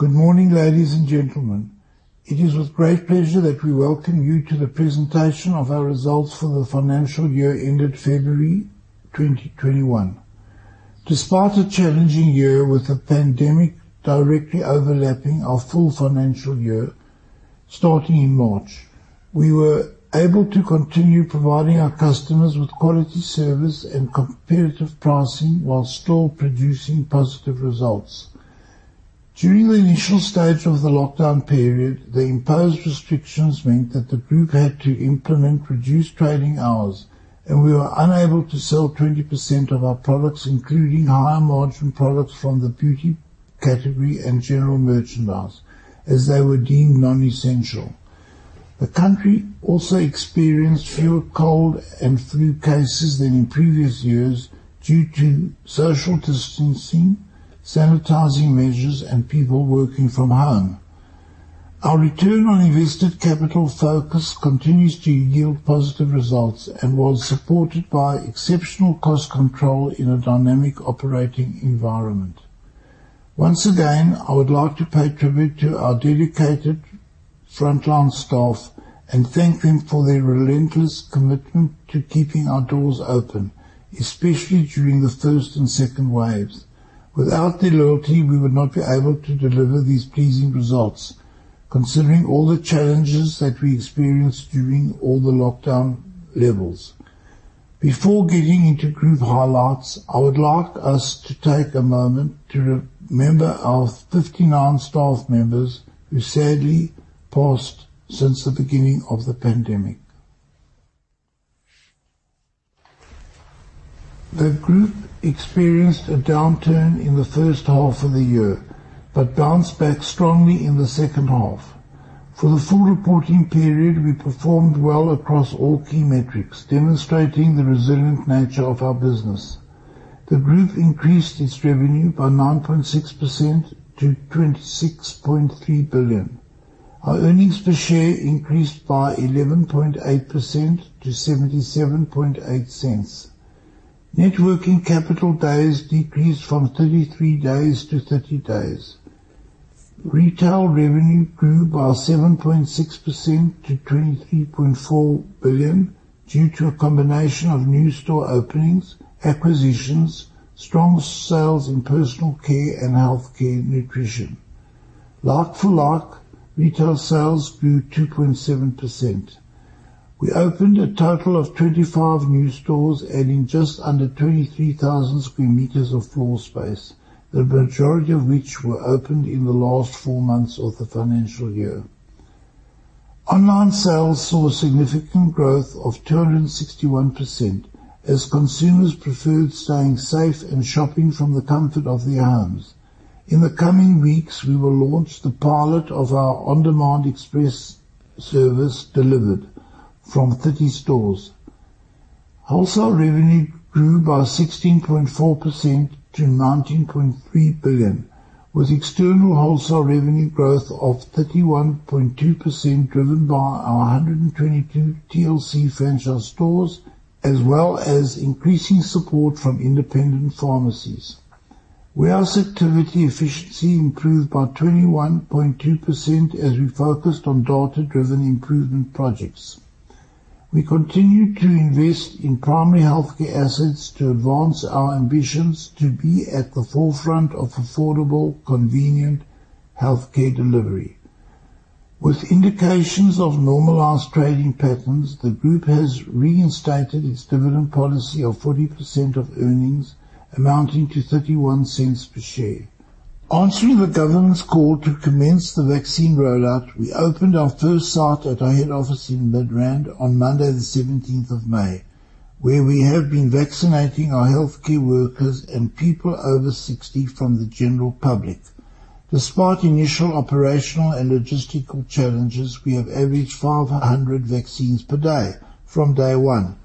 Good morning, ladies and gentlemen. It is with great pleasure that we welcome you to the presentation of our results for the financial year ended February 2021. Despite a challenging year with the pandemic directly overlapping our full financial year starting in March, we were able to continue providing our customers with quality service and competitive pricing, while still producing positive results. During the initial stage of the lockdown period, the imposed restrictions meant that the group had to implement reduced trading hours, and we were unable to sell 20% of our products, including higher margin products from the beauty category and general merchandise, as they were deemed non-essential. The country also experienced fewer cold and flu cases than in previous years due to social distancing, sanitizing measures, and people working from home. Our return on invested capital focus continues to yield positive results and was supported by exceptional cost control in a dynamic operating environment. Once again, I would like to pay tribute to our dedicated frontline staff and thank them for their relentless commitment to keeping our doors open, especially during the first and second waves. Without their loyalty, we would not be able to deliver these pleasing results considering all the challenges that we experienced during all the lockdown levels. Before getting into group highlights, I would like us to take a moment to remember our 59 staff members who sadly passed since the beginning of the pandemic. The group experienced a downturn in the first half of the year, but bounced back strongly in the second half. For the full reporting period, we performed well across all key metrics, demonstrating the resilient nature of our business. The group increased its revenue by 9.6% to 26.3 billion. Our EPS increased by 11.8% to 0.778. Net working capital days decreased from 33 days to 30 days. Retail revenue grew by 7.6% to 23.4 billion due to a combination of new store openings, acquisitions, strong sales in personal care and healthcare nutrition. Like for like, retail sales grew 2.7%. We opened a total of 25 new stores, adding just under 23,000 sq m of floor space, the majority of which were opened in the last four months of the financial year. Online sales saw significant growth of 261%, as consumers preferred staying safe and shopping from the comfort of their homes. In the coming weeks, we will launch the pilot of our on-demand express service delivered from 30 stores. Wholesale revenue grew by 16.4% to 19.3 billion, with external wholesale revenue growth of 31.2% driven by our 122 TLC franchise stores, as well as increasing support from independent pharmacies. Warehouse activity efficiency improved by 21.2% as we focused on data-driven improvement projects. We continue to invest in primary healthcare assets to advance our ambitions to be at the forefront of affordable, convenient healthcare delivery. With indications of normalized trading patterns, the group has reinstated its dividend policy of 40% of earnings amounting to 0.31 per share. Answering the government's call to commence the vaccine rollout, we opened our first site at our head office in Midrand on Monday the 17th of May, where we have been vaccinating our healthcare workers and people over 60 from the general public. Despite initial operational and logistical challenges, we have averaged 500 vaccines per day from day one.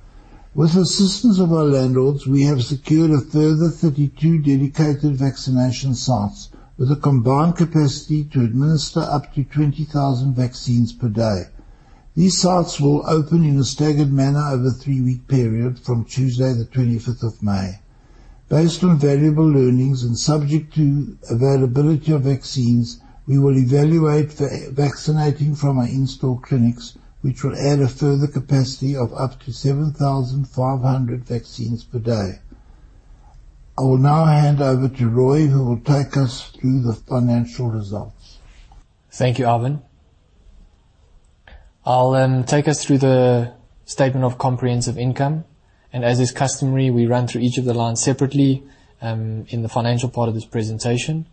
With assistance of our landlords, we have secured a further 32 dedicated vaccination sites with a combined capacity to administer up to 20,000 vaccines per day. These sites will open in a staggered manner over a three-week period from Tuesday the 25th of May. Based on valuable learnings and subject to availability of vaccines, we will evaluate vaccinating from our in-store clinics, which will add a further capacity of up to 7,500 vaccines per day. I will now hand over to Rui Morais, who will take us through the financial results. Thank you, Ivan. I'll take us through the statement of comprehensive income, as is customary, we run through each of the lines separately in the financial part of this presentation.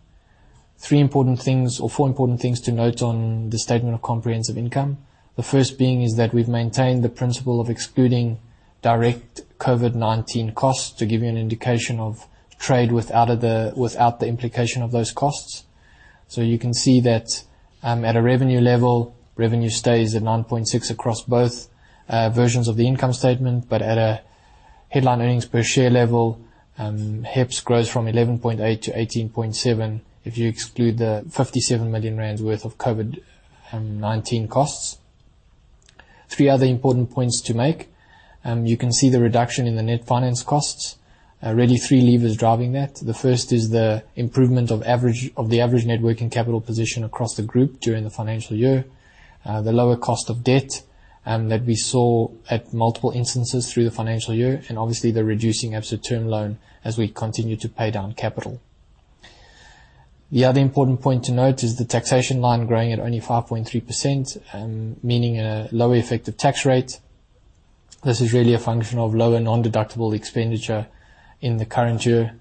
Three important things or four important things to note on the statement of comprehensive income. The first being is that we've maintained the principle of excluding direct COVID-19 costs to give you an indication of trade without the implication of those costs. You can see that at a revenue level, revenue stays at 9.6 across both versions of the income statement. At a headline earnings per share level, EPS grows from 11.8 to 18.7 if you exclude the 57 million rand worth of COVID-19 costs. Three other important points to make. You can see the reduction in the net finance costs. Really three levers driving that. The first is the improvement of the average net working capital position across the group during the financial year. The lower cost of debt that we saw at multiple instances through the financial year and obviously the reducing Absa term loan as we continue to pay down capital. The other important point to note is the taxation line growing at only 5.3%, meaning a lower effective tax rate. This is really a function of lower nondeductible expenditure in the current year,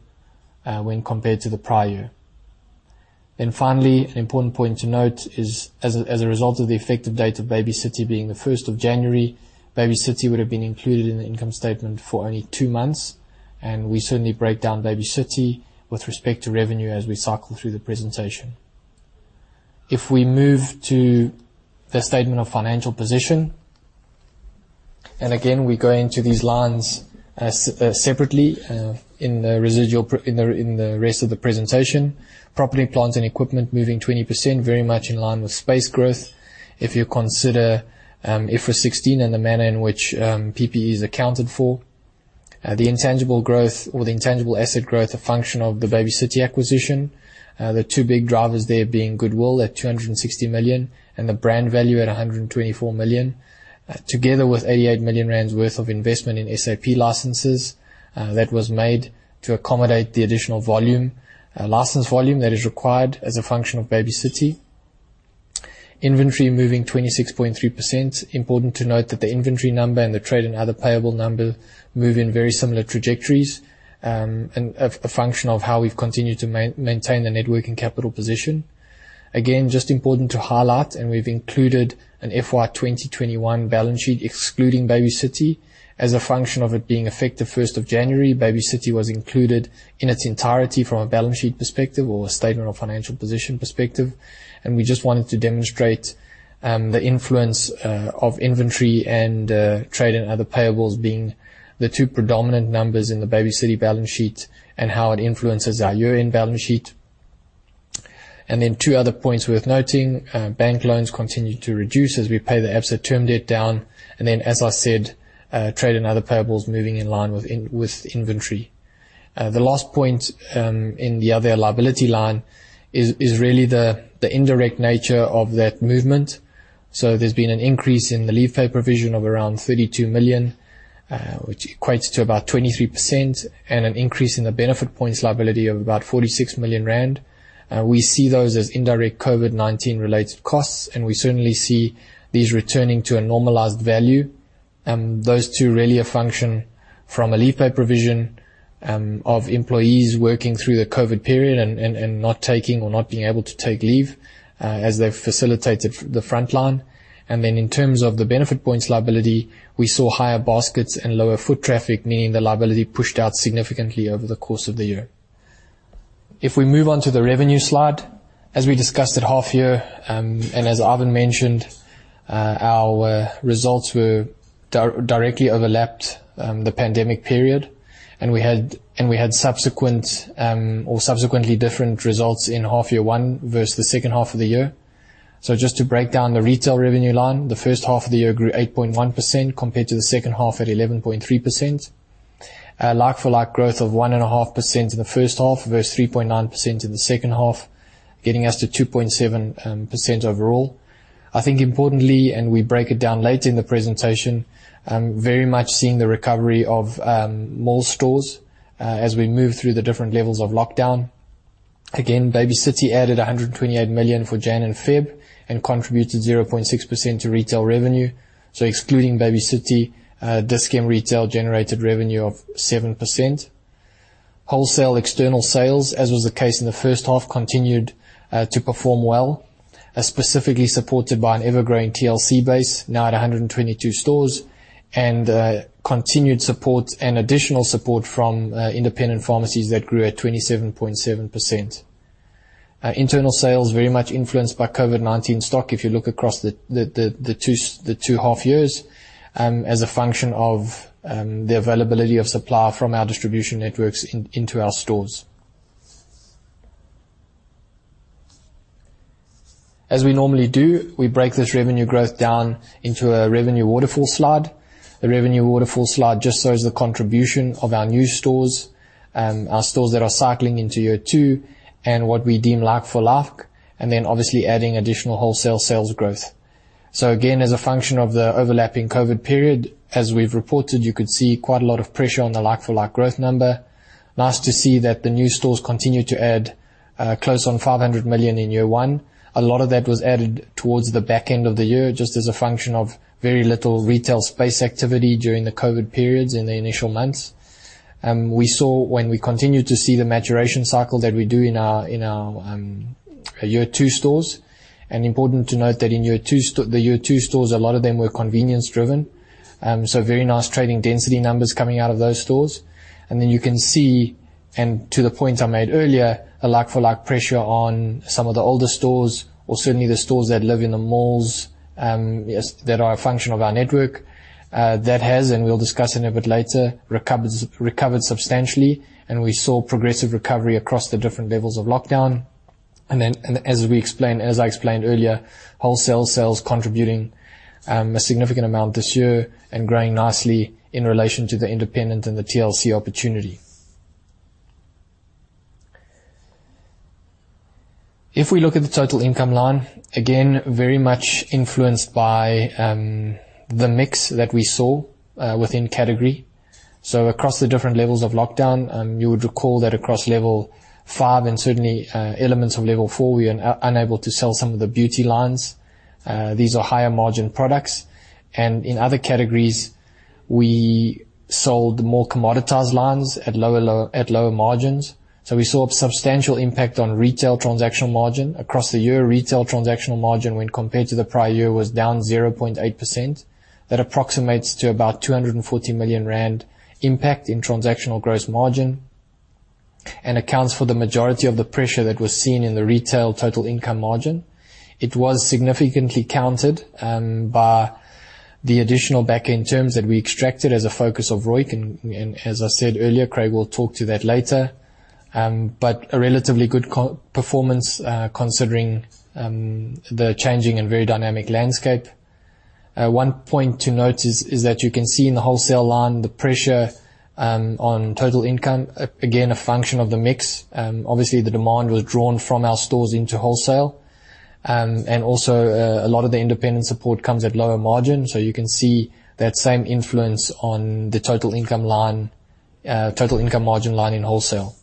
when compared to the prior year. Finally, an important point to note is as a result of the effective date of Baby City being the 1st of January, Baby City would have been included in the income statement for only two months, and we certainly break down Baby City with respect to revenue as we cycle through the presentation. We move to the statement of financial position, and again, we go into these lines separately, in the rest of the presentation. Property, plant, and equipment moving 20%, very much in line with space growth. You consider IFRS 16 and the manner in which PPE is accounted for. The intangible growth or the intangible asset growth, a function of the Baby City acquisition. The two big drivers there being goodwill at 260 million and the brand value at 124 million, together with 88 million rand worth of investment in SAP licenses, that was made to accommodate the additional volume, license volume that is required as a function of Baby City. Inventory moving 26.3%. Important to note that the inventory number and the trade and other payable number move in very similar trajectories, and a function of how we've continued to maintain the net working capital position. Again, just important to highlight, and we've included an FY21 balance sheet excluding Baby City. As a function of it being effective 1st of January, Baby City was included in its entirety from a balance sheet perspective or a statement of financial position perspective. We just wanted to demonstrate the influence of inventory and trade and other payables being the 2 predominant numbers in the Baby City balance sheet and how it influences our year-end balance sheet. 2 other points worth noting. Bank loans continue to reduce as we pay the Absa term debt down. As I said, trade and other payables moving in line with inventory. The last point in the other liability line is really the indirect nature of that movement. There's been an increase in the leave pay provision of around 32 million, which equates to about 23% and an increase in the benefit points liability of about 46 million rand. We see those as indirect COVID-19 related costs, and we certainly see these returning to a normalized value. Those two really a function from a leave pay provision of employees working through the COVID period and not taking or not being able to take leave as they facilitated the front line. Then in terms of the benefit points liability, we saw higher baskets and lower foot traffic, meaning the liability pushed out significantly over the course of the year. If we move on to the revenue slide, as we discussed at half year, and as Ivan mentioned, our results were directly overlapped the pandemic period. We had subsequent or subsequently different results in half year one versus the second half of the year. Just to break down the retail revenue line, the first half of the year grew 8.1% compared to the second half at 11.3%. Like for like growth of 1.5% in the first half versus 3.9% in the second half, getting us to 2.7% overall. I think importantly, and we break it down later in the presentation, very much seeing the recovery of mall stores as we move through the different levels of lockdown. Again, Baby City added 128 million for Jan and Feb and contributed 0.6% to retail revenue. Excluding Baby City, Dis-Chem Retail generated revenue of seven percent. Wholesale external sales, as was the case in the first half, continued to perform well, specifically supported by an ever-growing TLC base, now at 122 stores, and continued support and additional support from independent pharmacies that grew at 27.7%. Internal sales very much influenced by COVID-19 stock if you look across the two half years, as a function of the availability of supply from our distribution networks into our stores. As we normally do, we break this revenue growth down into a revenue waterfall slide. The revenue waterfall slide just shows the contribution of our new stores, our stores that are cycling into year two, and what we deem like for like, and then obviously adding additional wholesale sales growth. Again, as a function of the overlapping COVID period, as we've reported, you could see quite a lot of pressure on the like for like growth number. Nice to see that the new stores continued to add 500 million in year one. A lot of that was added towards the back end of the year, just as a function of very little retail space activity during the COVID periods in the initial months. We saw when we continued to see the maturation cycle that we do in our year two stores. Important to note that in the year two stores, a lot of them were convenience driven. Very nice trading density numbers coming out of those stores. Then you can see, to the point I made earlier, a like for like pressure on some of the older stores or certainly the stores that live in the malls, as that are a function of our network. That has, and we'll discuss in a bit later, recovered substantially, and we saw progressive recovery across the different levels of lockdown. As we explained, as I explained earlier, wholesale sales contributing a significant amount this year and growing nicely in relation to the independent and the TLC opportunity. If we look at the total income line, again, very much influenced by the mix that we saw within category. Across the different levels of lockdown, you would recall that across level five and certainly elements of level four, we are unable to sell some of the beauty lines. These are higher margin products. In other categories, we sold more commoditized lines at lower margins. We saw a substantial impact on retail transactional margin. Across the year, retail transactional margin when compared to the prior year, was down 0.8%. That approximates to about 240 million rand impact in transactional gross margin and accounts for the majority of the pressure that was seen in the retail total income margin. It was significantly countered by the additional back-end terms that we extracted as a focus of ROI. As I said earlier, Craig will talk to that later. A relatively good performance, considering the changing and very dynamic landscape. one point to note is that you can see in the wholesale line the pressure on total income, again, a function of the mix. Obviously the demand was drawn from our stores into wholesale. Also, a lot of the independent support comes at lower margin, so you can see that same influence on the total income line, total income margin line in wholesale.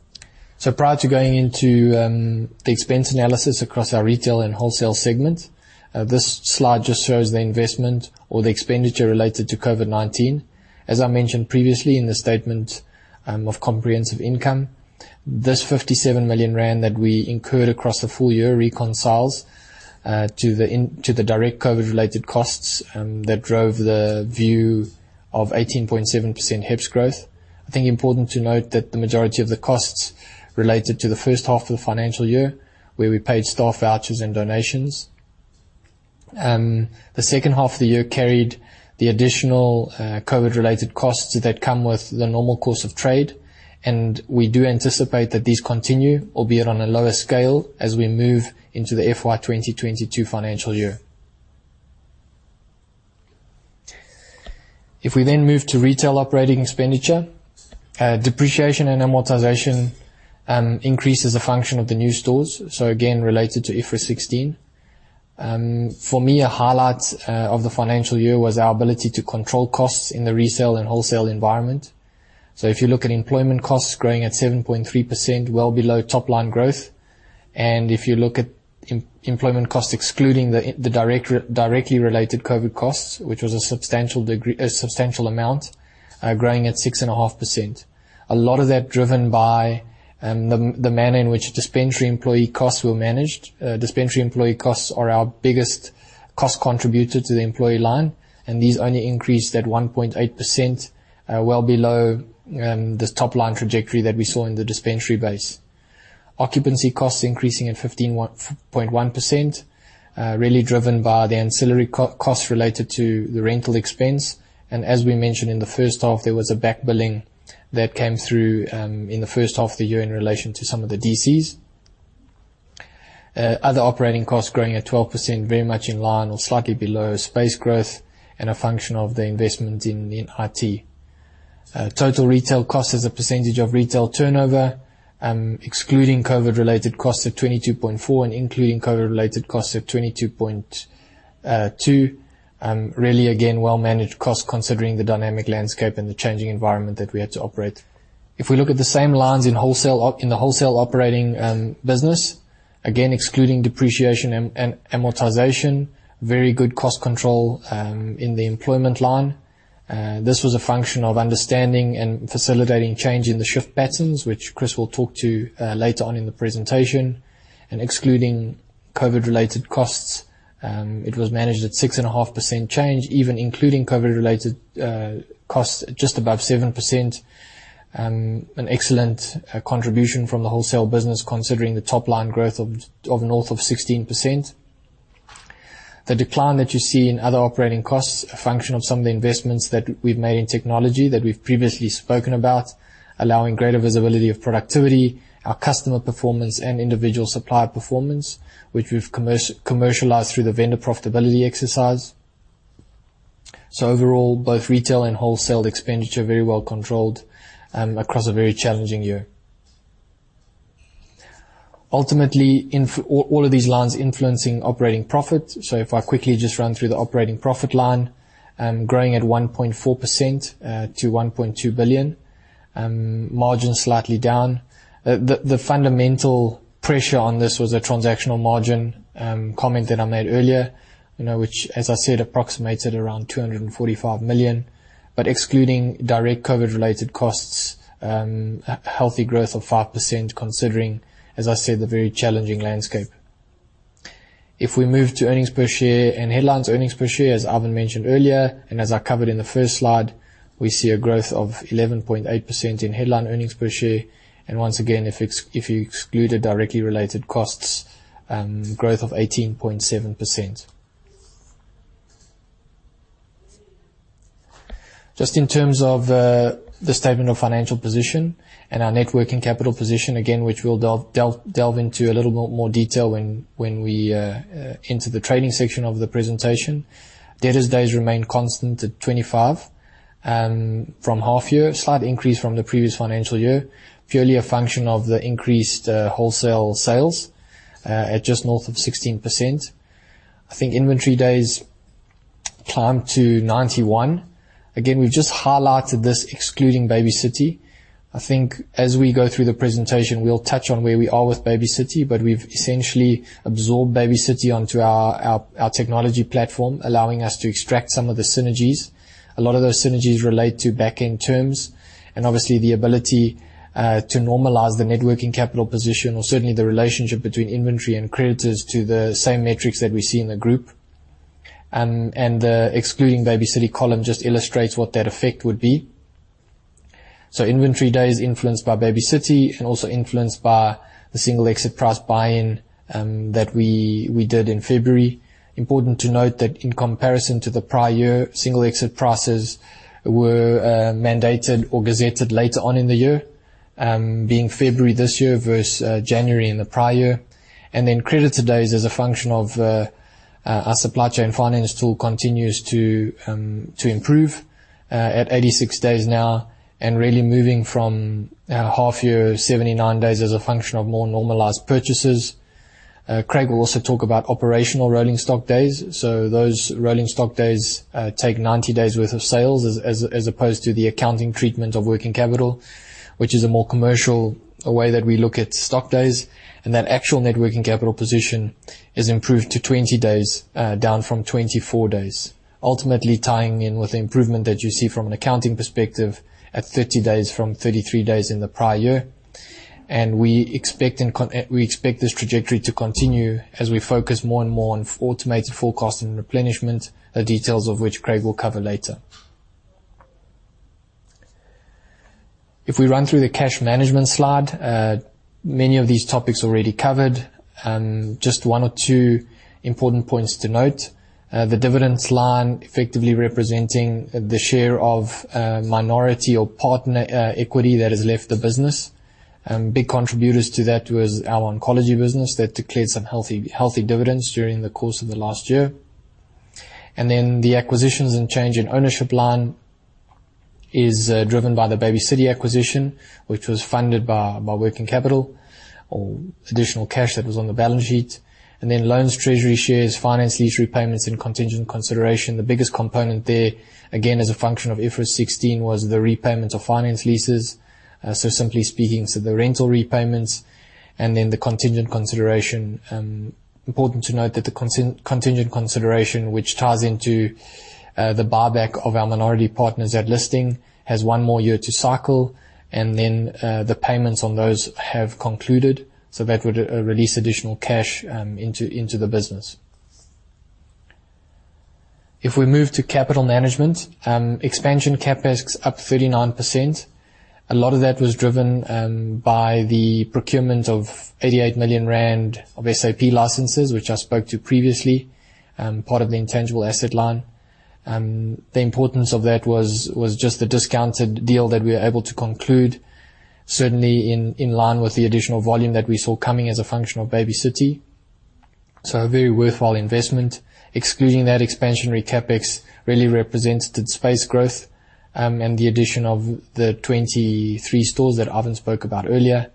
Prior to going into the expense analysis across our retail and wholesale segment, this slide just shows the investment or the expenditure related to COVID-19. As I mentioned previously in the statement of comprehensive income, this 57 million rand that we incurred across the full year reconciles to the direct COVID related costs that drove the view of 18.7% HEPS growth. I think important to note that the majority of the costs related to the first half of the financial year, where we paid staff vouchers and donations. The second half of the year carried the additional COVID related costs that come with the normal course of trade, and we do anticipate that these continue, albeit on a lower scale, as we move into the FY 2022 financial year. If we then move to retail operating expenditure, depreciation and amortization increases the function of the new stores, again, related to IFRS 16. For me, a highlight of the financial year was our ability to control costs in the resale and wholesale environment. If you look at employment costs growing at 7.3%, well below top line growth, and if you look at employment costs excluding the directly related COVID costs, which was a substantial amount, growing at 6.5%. A lot of that driven by the manner in which dispensary employee costs were managed. Dispensary employee costs are our biggest cost contributor to the employee line, and these only increased at 1.8%, well below this top line trajectory that we saw in the dispensary base. Occupancy costs increasing at 15.1%, really driven by the ancillary co-costs related to the rental expense. As we mentioned in the first half, there was a back billing that came through in the first half of the year in relation to some of the DCs. Other operating costs growing at 12%, very much in line or slightly below space growth and a function of the investment in IT. Total retail cost as a percentage of retail turnover, excluding COVID related costs at 22.4% and including COVID related costs at 22.2%. Really, again, well-managed cost considering the dynamic landscape and the changing environment that we had to operate. If we look at the same lines in the wholesale operating business, again excluding depreciation and amortization, very good cost control in the employment line. This was a function of understanding and facilitating change in the shift patterns, which Chris will talk to later on in the presentation. Excluding COVID related costs, it was managed at 6.5% change, even including COVID related costs at just above seven percent. An excellent contribution from the wholesale business considering the top line growth of north of 16%. The decline that you see in other operating costs, a function of some of the investments that we've made in technology that we've previously spoken about, allowing greater visibility of productivity, our customer performance and individual supplier performance, which we've commercialized through the vendor profitability exercise. Overall, both retail and wholesale expenditure very well controlled across a very challenging year. Ultimately, all of these lines influencing operating profit. If I quickly just run through the operating profit line, growing at 1.4% to 1.2 billion. Margin slightly down. The fundamental pressure on this was a transactional margin comment that I made earlier, you know, which, as I said, approximates at around 245 million. Excluding direct COVID related costs, a healthy growth of five percent considering, as I said, the very challenging landscape. If we move to earnings per share and headline earnings per share, as Ivan mentioned earlier and as I covered in the first slide, we see a growth of 11.8% in headline earnings per share. Once again, if you exclude the directly related costs, growth of 18.7%. Just in terms of the statement of financial position and our networking capital position, again, which we'll delve into a little bit more detail when we enter the trading section of the presentation. Debtors days remain constant at 25 from half year. Slight increase from the previous financial year. Purely a function of the increased wholesale sales at just north of 16%. I think inventory days climbed to 91. Again, we've just highlighted this excluding Baby City. I think as we go through the presentation, we'll touch on where we are with Baby City, but we've essentially absorbed Baby City onto our technology platform, allowing us to extract some of the synergies. A lot of those synergies relate to back-end terms and obviously the ability to normalize the networking capital position or certainly the relationship between inventory and creditors to the same metrics that we see in the group. The excluding Baby City column just illustrates what that effect would be. Inventory days influenced by Baby City and also influenced by the Single Exit Price buy-in that we did in February. Important to note that in comparison to the prior year, Single Exit Prices were mandated or gazetted later on in the year, being February this year versus January in the prior year. Creditor days as a function of our supply chain finance tool continues to improve at 86 days now and really moving from our half year 79 days as a function of more normalized purchases. Craig will also talk about operational rolling stock days. Those rolling stock days take 90 days worth of sales as opposed to the accounting treatment of working capital, which is a more commercial way that we look at stock days. That actual networking capital position is improved to 20 days, down from 24 days, ultimately tying in with the improvement that you see from an accounting perspective at 30 days from 33 days in the prior year. We expect this trajectory to continue as we focus more and more on automated forecasting and replenishment, the details of which Craig will cover later. If we run through the cash management slide, many of these topics already covered. Just one or two important points to note. The dividends line effectively representing the share of minority or partner equity that has left the business. Big contributors to that was our oncology business that declared some healthy dividends during the course of the last year. The acquisitions and change in ownership line is driven by the Baby City acquisition, which was funded by working capital or additional cash that was on the balance sheet. Loans, treasury shares, finance lease repayments and contingent consideration. The biggest component there, again, as a function of IFRS 16 was the repayment of finance leases. Simply speaking, the rental repayments and the contingent consideration. Important to note that the contingent consideration, which ties into the buyback of our minority partners at listing, has 1 more year to cycle. The payments on those have concluded. That would release additional cash into the business. If we move to capital management, expansion CapEx up 39%. A lot of that was driven by the procurement of 88 million rand of SAP licenses, which I spoke to previously, part of the intangible asset line. The importance of that was just the discounted deal that we were able to conclude, certainly in line with the additional volume that we saw coming as a function of Baby City. A very worthwhile investment. Excluding that expansionary CapEx really represents the space growth and the addition of the 23 stores that Ivan spoke about earlier.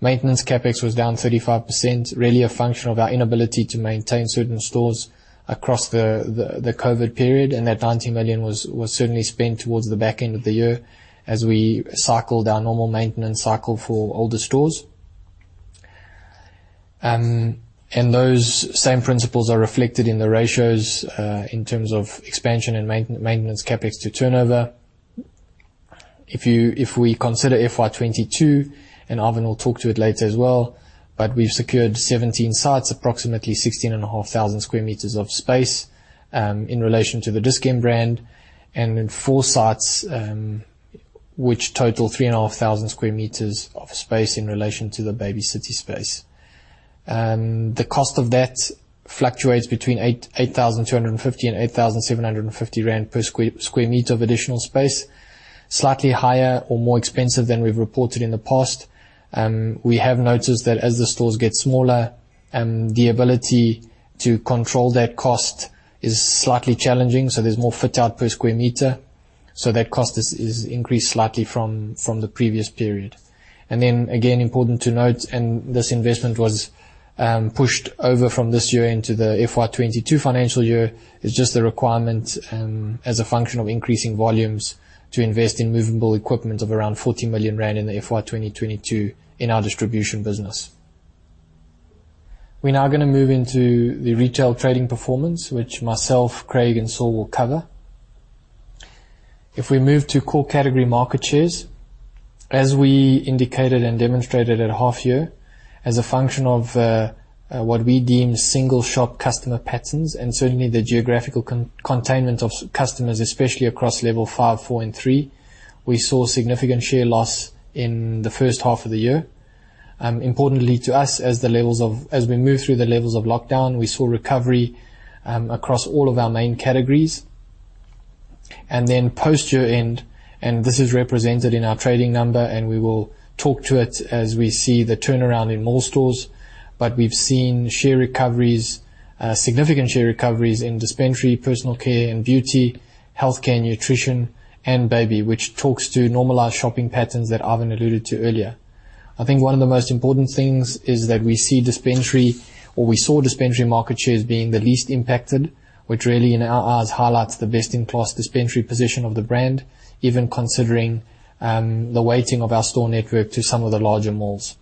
Maintenance CapEx was down 35%, really a function of our inability to maintain certain stores across the COVID period. That 90 million was certainly spent towards the back end of the year as we cycled our normal maintenance cycle for older stores. Those same principles are reflected in the ratios, in terms of expansion and maintenance CapEx to turnover. If we consider FY22, and Ivan Saltzman will talk to it later as well, but we've secured 17 sites, approximately 16,500 sq m of space, in relation to the Dis-Chem brand, and then four sites, which total 3,500 sq m of space in relation to the Baby City space. The cost of that fluctuates between 8,250 and 8,750 rand per square meter of additional space, slightly higher or more expensive than we've reported in the past. We have noticed that as the stores get smaller, the ability to control that cost is slightly challenging, so there's more fit out per square meter. That cost is increased slightly from the previous period. Important to note, this investment was pushed over from this year into the FY 2022 financial year. It's just the requirement, as a function of increasing volumes to invest in movable equipment of around 40 million rand in the FY 2022 in our distribution business. We're now gonna move into the retail trading performance, which myself, Craig and Saul will cover. If we move to core category market shares, as we indicated and demonstrated at half year, as a function of what we deem single shop customer patterns and certainly the geographical containment of customers, especially across level five, four and three, we saw significant share loss in the first half of the year. Importantly to us as we move through the levels of lockdown, we saw recovery across all of our main categories. Then post year-end, and this is represented in our trading number, and we will talk to it as we see the turnaround in mall stores, but we've seen share recoveries, significant share recoveries in dispensary, personal care and beauty, healthcare and nutrition, and baby, which talks to normalized shopping patterns that Ivan alluded to earlier. I think one of the most important things is that we see dispensary, or we saw dispensary market shares being the least impacted, which really in our eyes highlights the best-in-class dispensary position of the brand, even considering the weighting of our store network to some of the larger malls.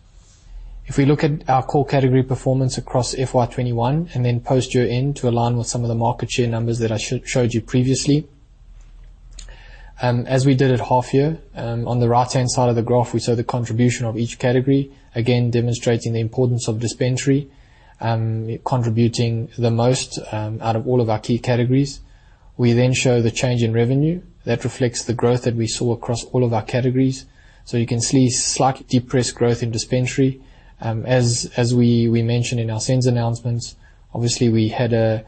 If we look at our core category performance across FY 2021 and then post year-end to align with some of the market share numbers that I showed you previously. As we did at half year, on the right-hand side of the graph, we saw the contribution of each category, again demonstrating the importance of dispensary, contributing the most out of all of our key categories. We show the change in revenue that reflects the growth that we saw across all of our categories. You can see slightly depressed growth in dispensary. As we mentioned in our SENS announcements, obviously, we had a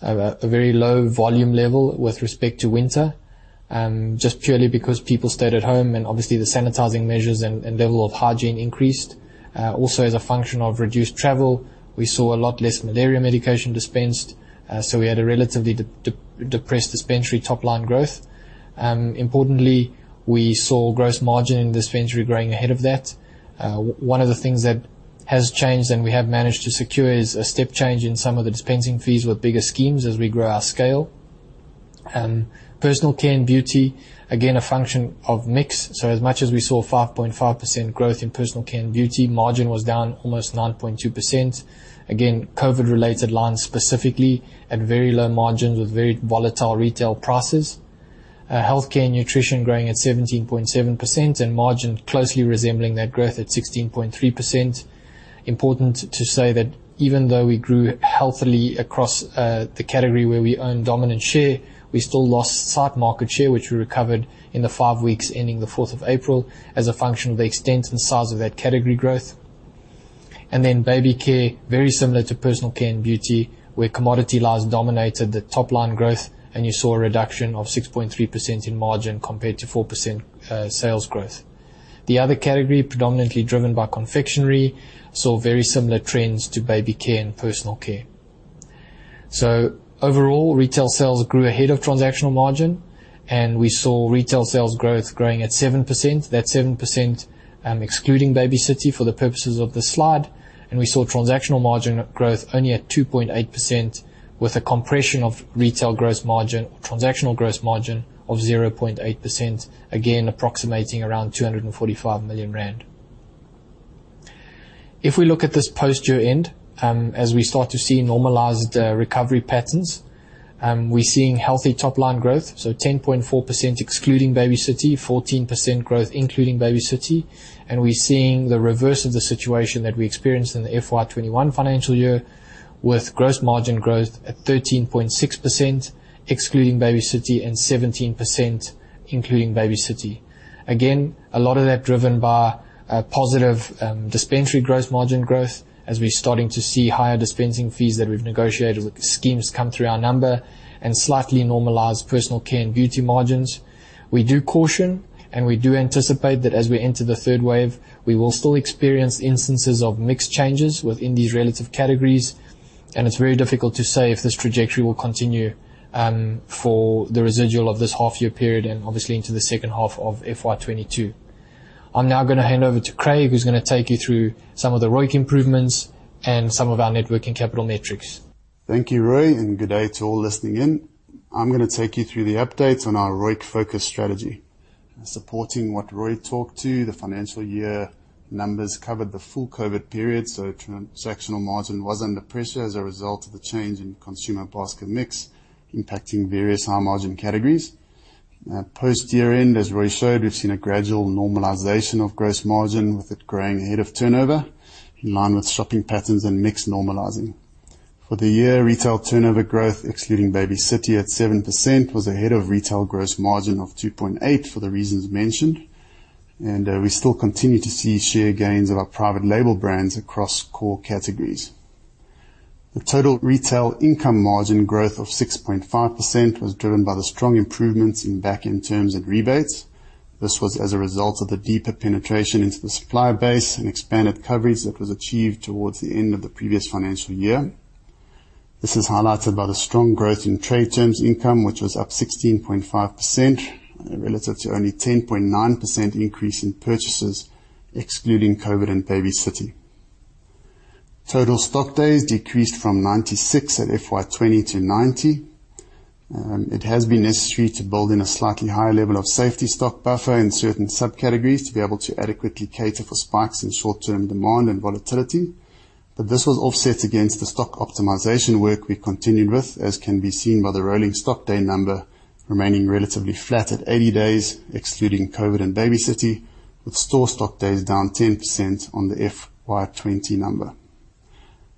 very low volume level with respect to winter, just purely because people stayed at home and obviously the sanitizing measures and level of hygiene increased. Also as a function of reduced travel, we saw a lot less malaria medication dispensed, so we had a relatively depressed dispensary top line growth. Importantly, we saw gross margin in dispensary growing ahead of that. One of the things that has changed and we have managed to secure is a step change in some of the dispensing fees with bigger schemes as we grow our scale. Personal care and beauty, again, a function of mix. As much as we saw 5.5% growth in personal care and beauty, margin was down almost 9.2%. COVID related lines specifically at very low margins with very volatile retail prices. Healthcare and nutrition growing at 17.7% and margin closely resembling that growth at 16.3%. Important to say that even though we grew healthily across the category where we own dominant share, we still lost slight market share, which we recovered in the five weeks ending the April 4th as a function of the extent and size of that category growth. Baby care, very similar to personal care and beauty, where commodity lows dominated the top line growth, and you saw a reduction of 6.3% in margin compared to four percent sales growth. The other category, predominantly driven by confectionery, saw very similar trends to baby care and personal care. Overall, retail sales grew ahead of transactional margin, and we saw retail sales growth growing at 7%. That's 7% excluding Baby City for the purposes of this slide. We saw transactional margin growth only at 2.8% with a compression of retail gross margin, transactional gross margin of 0.8%, again approximating around 245 million rand. If we look at this post year-end, as we start to see normalized recovery patterns, we're seeing healthy top line growth, 10.4% excluding Baby City, 14% growth including Baby City. We're seeing the reverse of the situation that we experienced in the FY 2021 financial year with gross margin growth at 13.6% excluding Baby City and 17% including Baby City. Again, a lot of that driven by positive dispensary gross margin growth as we're starting to see higher dispensing fees that we've negotiated with the schemes come through our number and slightly normalized personal care and beauty margins. We do caution, and we do anticipate that as we enter the third wave, we will still experience instances of mixed changes within these relative categories, and it's very difficult to say if this trajectory will continue for the residual of this half year period and obviously into the second half of FY 2022. I'm now gonna hand over to Craig, who's gonna take you through some of the ROIC improvements and some of our network and capital metrics. Thank you, Rui. Good day to all listening in. I'm gonna take you through the updates on our ROIC focus strategy. Supporting what Rui talked to, the financial year numbers covered the full COVID period, so transactional margin was under pressure as a result of the change in consumer basket mix impacting various high-margin categories. Post year-end, as Rui showed, we've seen a gradual normalization of gross margin with it growing ahead of turnover in line with shopping patterns and mix normalizing. For the year, retail turnover growth, excluding Baby City at seven percent, was ahead of retail gross margin of 2.8% for the reasons mentioned. We still continue to see share gains of our private label brands across core categories. The total retail income margin growth of 6.5% was driven by the strong improvements in back-end terms and rebates. This was as a result of the deeper penetration into the supply base and expanded coverage that was achieved towards the end of the previous financial year. This is highlighted by the strong growth in trade terms income, which was up 16.5%, relative to only 10.9% increase in purchases excluding COVID and Baby City. Total stock days decreased from 96 at FY20 to 90. It has been necessary to build in a slightly higher level of safety stock buffer in certain subcategories to be able to adequately cater for spikes in short-term demand and volatility. This was offset against the stock optimization work we continued with, as can be seen by the rolling stock day number remaining relatively flat at 80 days, excluding COVID and Baby City, with store stock days down 10% on the FY 2020 number.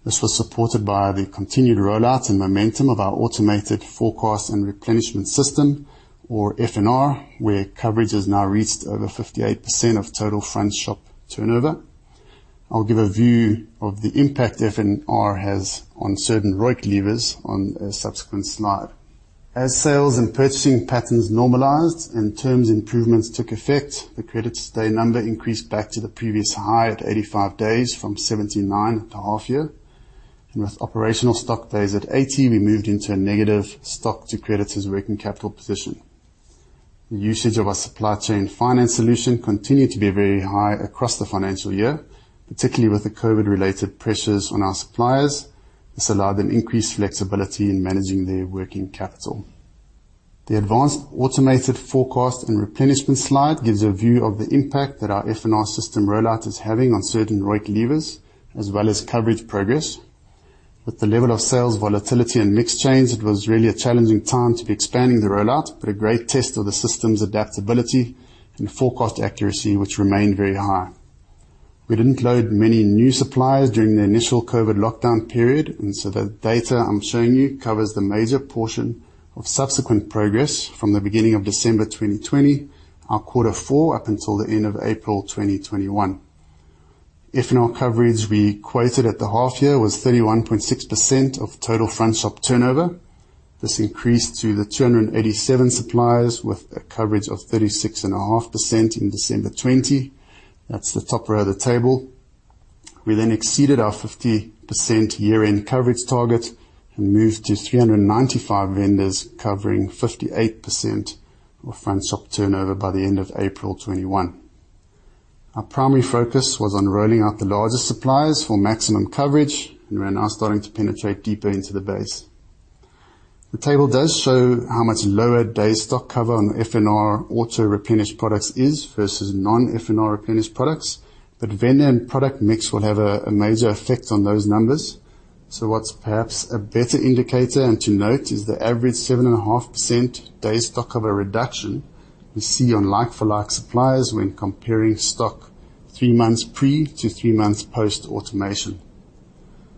This was supported by the continued rollout and momentum of our automated forecast and replenishment system, or F&R, where coverage has now reached over 58% of total front shop turnover. I'll give a view of the impact F&R has on certain ROIC levers on a subsequent slide. As sales and purchasing patterns normalized and terms improvements took effect, the credit stay number increased back to the previous high at 85 days from 79 at the half year. With operational stock days at 80, we moved into a negative stock to creditors' working capital position. The usage of our supply chain finance solution continued to be very high across the financial year, particularly with the COVID-related pressures on our suppliers. This allowed them increased flexibility in managing their working capital. The advanced automated forecast and replenishment slide gives a view of the impact that our F&R system rollout is having on certain ROIC levers, as well as coverage progress. With the level of sales volatility and mix change, it was really a challenging time to be expanding the rollout, but a great test of the system's adaptability and forecast accuracy, which remained very high. The data I'm showing you covers the major portion of subsequent progress from the beginning of December 2020, our Q4, up until the end of April 2021. F&R coverage we quoted at the half year was 31.6% of total front shop turnover. This increased to the 287 suppliers with a coverage of 36.5% in December 2020. That's the top row of the table. We then exceeded our 50% year-end coverage target and moved to 395 vendors covering 58% of front shop turnover by the end of April 2021. Our primary focus was on rolling out the largest suppliers for maximum coverage, and we're now starting to penetrate deeper into the base. The table does show how much lower day stock cover on F&R auto-replenished products is versus non-F&R replenished products, but vendor and product mix will have a major effect on those numbers. What's perhaps a better indicator, and to note, is the average 7.5% day stock cover reduction we see on like-for-like suppliers when comparing stock three months pre to three months post-automation.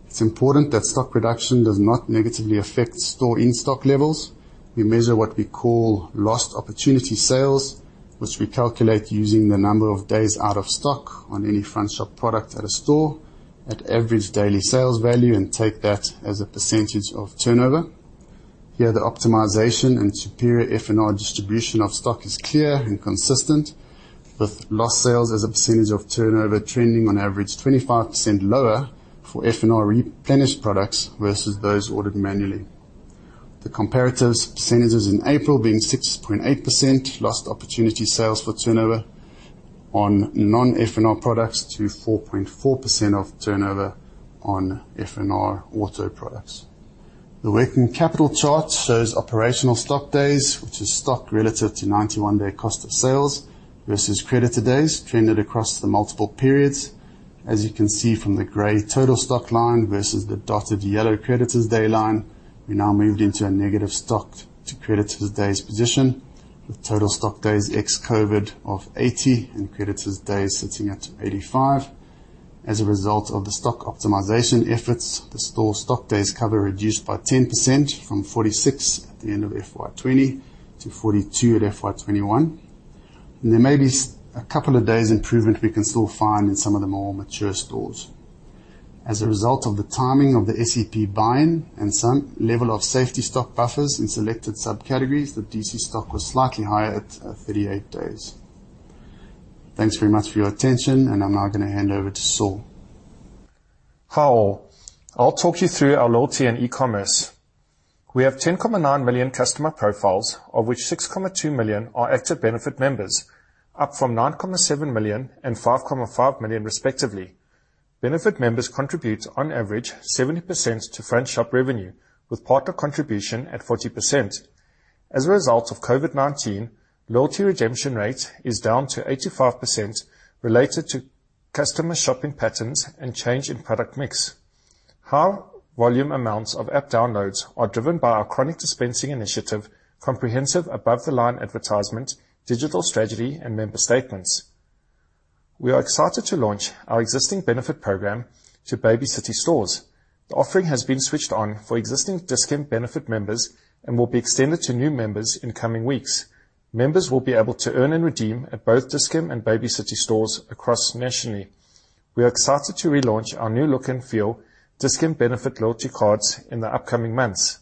It's important that stock reduction does not negatively affect store in-stock levels. We measure what we call lost opportunity sales, which we calculate using the number of days out of stock on any front shop product at a store at average daily sales value and take that as a percent of turnover. Here, the optimization and superior F&R distribution of stock is clear and consistent, with lost sales as a percent of turnover trending on average 25% lower for F&R replenished products versus those ordered manually. The comparatives percentages in April being 6.8% lost opportunity sales for turnover on non-F&R products to 4.4% of turnover on F&R auto products. The working capital chart shows operational stock days, which is stock relative to 91 day cost of sales versus creditor days trended across the multiple periods. As you can see from the gray total stock line versus the dotted yellow creditor's day line, we now moved into a negative stock to creditor's days position, with total stock days ex-COVID of 80 and creditor's days sitting at 85. As a result of the stock optimization efforts, the store stock days cover reduced by 10% from 46 at the end of FY 2020 to 42 at FY 2021. There may be a couple of days improvement we can still find in some of the more mature stores. As a result of the timing of the SEP buy-in and some level of safety stock buffers in selected subcategories, the DC stock was slightly higher at 38 days. Thanks very much for your attention, and I'm now gonna hand over to Saul. Hi, all. I'll talk you through our loyalty and e-commerce. We have 10.9 million customer profiles, of which 6.2 million are active Benefit members, up from 9.7 million and 5.5 million respectively. Benefit members contribute on average 70% to front shop revenue, with partner contribution at 40%. As a result of COVID-19, loyalty redemption rate is down to 85% related to customer shopping patterns and change in product mix. High volume amounts of app downloads are driven by our chronic dispensing initiative, comprehensive above the line advertisement, digital strategy, and member statements. We are excited to launch our existing Benefit Programme to Baby City stores. The offering has been switched on for existing Dis-Chem Benefit members and will be extended to new members in coming weeks. Members will be able to earn and redeem at both Dis-Chem and Baby City stores across nationally. We are excited to relaunch our new look and feel Dis-Chem benefit loyalty cards in the upcoming months.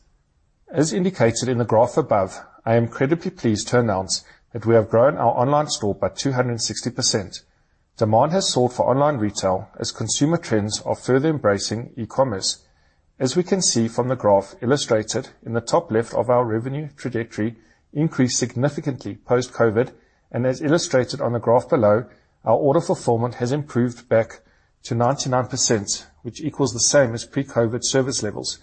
As indicated in the graph above, I am incredibly pleased to announce that we have grown our online store by 260%. Demand has soared for online retail as consumer trends are further embracing e-commerce. As we can see from the graph illustrated in the top left of our revenue trajectory increased significantly post-COVID, and as illustrated on the graph below, our order fulfillment has improved back to 99%, which equals the same as pre-COVID service levels.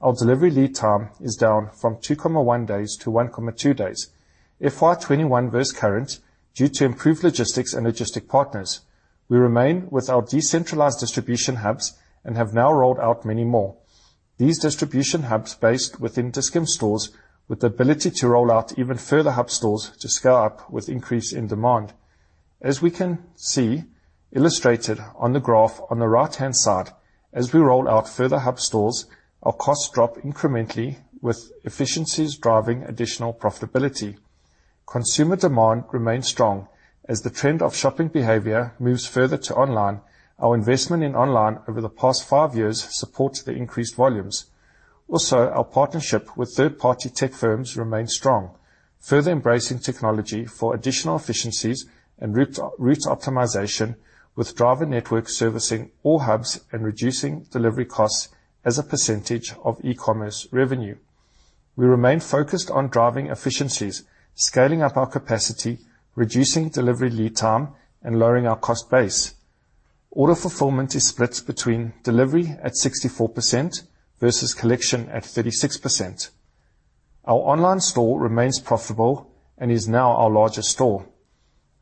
Our delivery lead time is down from 2.1 days to 1.2 days. FY21 versus current, due to improved logistics and logistic partners, we remain with our decentralized distribution hubs and have now rolled out many more. These distribution hubs based within Dis-Chem stores with the ability to roll out even further hub stores to scale up with increase in demand. As we can see illustrated on the graph on the right-hand side, as we roll out further hub stores, our costs drop incrementally with efficiencies driving additional profitability. Consumer demand remains strong. As the trend of shopping behavior moves further to online, our investment in online over the past five years supports the increased volumes. Also, our partnership with third-party tech firms remains strong, further embracing technology for additional efficiencies and route optimization with driver network servicing all hubs and reducing delivery costs as a percentage of e-commerce revenue. We remain focused on driving efficiencies, scaling up our capacity, reducing delivery lead time, and lowering our cost base. Order fulfillment is split between delivery at 64% versus collection at 36%. Our online store remains profitable and is now our largest store.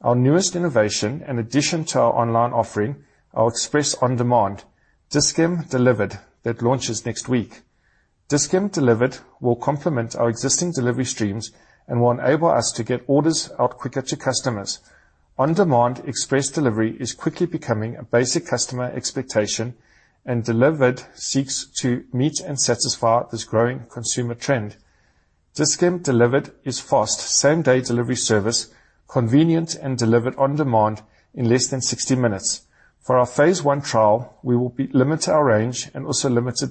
Our newest innovation and addition to our online offering, our express on demand, Dis-Chem Delivered, that launches next week. Dis-Chem Delivered will complement our existing delivery streams and will enable us to get orders out quicker to customers. On-demand express delivery is quickly becoming a basic customer expectation, Delivered seeks to meet and satisfy this growing consumer trend. Dis-Chem Delivered is fast same-day delivery service, convenient and delivered on demand in less than 60 minutes. For our phase 1 trial, we will be limited our range and also limited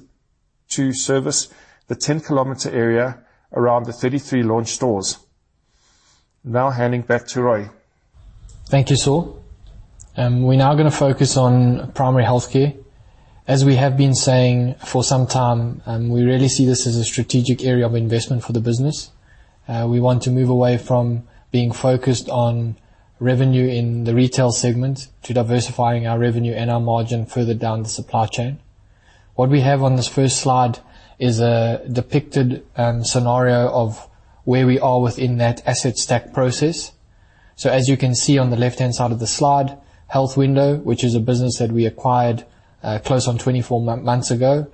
to service the 10-kilometer area around the 33 launch stores. Handing back to Rui. Thank you, Saul. We're now gonna focus on primary healthcare. As we have been saying for some time, we really see this as a strategic area of investment for the business. We want to move away from being focused on revenue in the retail segment to diversifying our revenue and our margin further down the supply chain. What we have on this first slide is a depicted scenario of where we are within that asset stack process. As you can see on the left-hand side of the slide, Health Window, which is a business that we acquired, close on 24 months ago,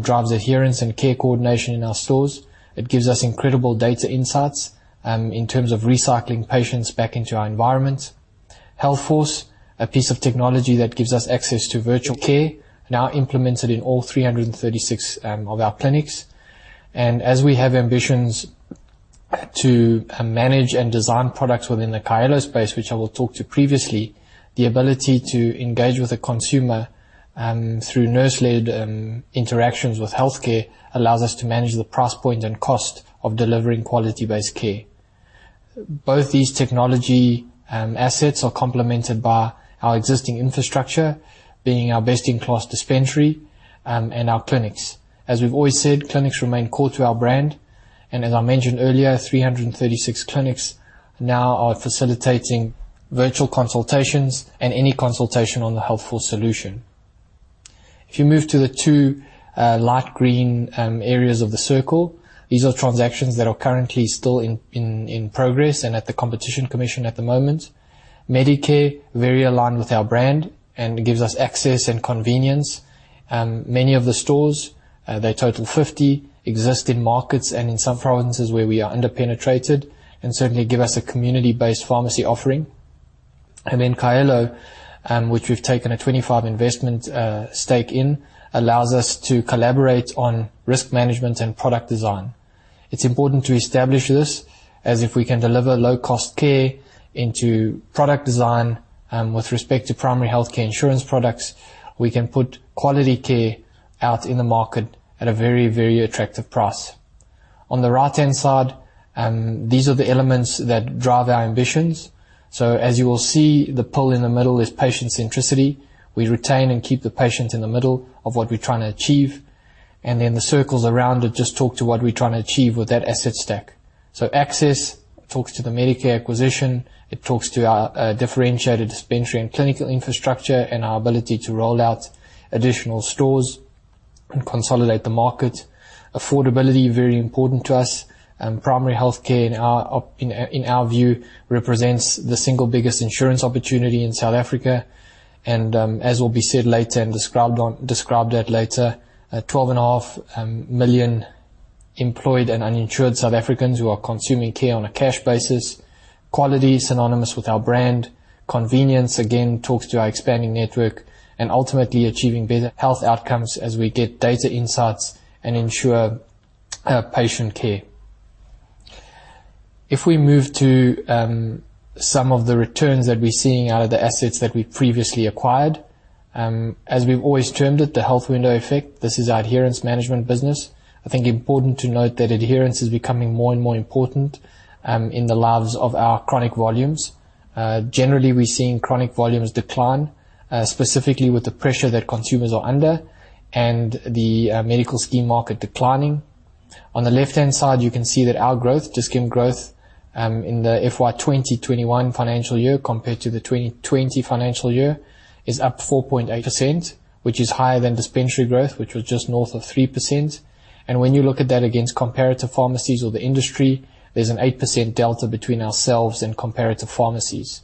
drives adherence and care coordination in our stores. It gives us incredible data insights in terms of recycling patients back into our environment. Healthforce, a piece of technology that gives us access to virtual care, now implemented in all 336 of our clinics. As we have ambitions to manage and design products within the Kaelo space, which I will talk to previously, the ability to engage with the consumer through nurse-led interactions with healthcare allows us to manage the price point and cost of delivering quality-based care. Both these technology assets are complemented by our existing infrastructure, being our best-in-class dispensary and our clinics. As we've always said, clinics remain core to our brand, and as I mentioned earlier, 336 clinics now are facilitating virtual consultations and any consultation on the Healthforce solution. If you move to the 2 light green areas of the circle, these are transactions that are currently still in progress and at the Competition Commission at the moment. Medicare, very aligned with our brand and gives us access and convenience. Many of the stores, they total 50 existing markets and in some provinces where we are under-penetrated and certainly give us a community-based pharmacy offering. Kaelo, which we've taken a 25 investment stake in, allows us to collaborate on risk management and product design. It's important to establish this as if we can deliver low-cost care into product design, with respect to primary healthcare insurance products, we can put quality care out in the market at a very, very attractive price. On the right-hand side, these are the elements that drive our ambitions. As you will see, the pull in the middle is patient centricity. We retain and keep the patient in the middle of what we're trying to achieve. The circles around it just talk to what we're trying to achieve with that asset stack. Access talks to the Medicare acquisition, it talks to our differentiated dispensary and clinical infrastructure and our ability to roll out additional stores and consolidate the market. Affordability, very important to us. Primary healthcare in our view represents the single biggest insurance opportunity in South Africa and as will be said later and described at later, 12.5 million employed and uninsured South Africans who are consuming care on a cash basis. Quality is synonymous with our brand. Convenience, again, talks to our expanding network and ultimately achieving better health outcomes as we get data insights and ensure patient care. If we move to some of the returns that we're seeing out of the assets that we previously acquired, as we've always termed it, the Health Window effect, this is our adherence management business. I think important to note that adherence is becoming more and more important in the lives of our chronic volumes. Generally, we're seeing chronic volumes decline, specifically with the pressure that consumers are under and the medical scheme market declining. On the left-hand side, you can see that our growth, Dis-Chem growth, in the FY21 financial year compared to the 2020 financial year is up 4.8%, which is higher than dispensary growth, which was just north of three percent. When you look at that against comparative pharmacies or the industry, there's an eight percent delta between ourselves and comparative pharmacies,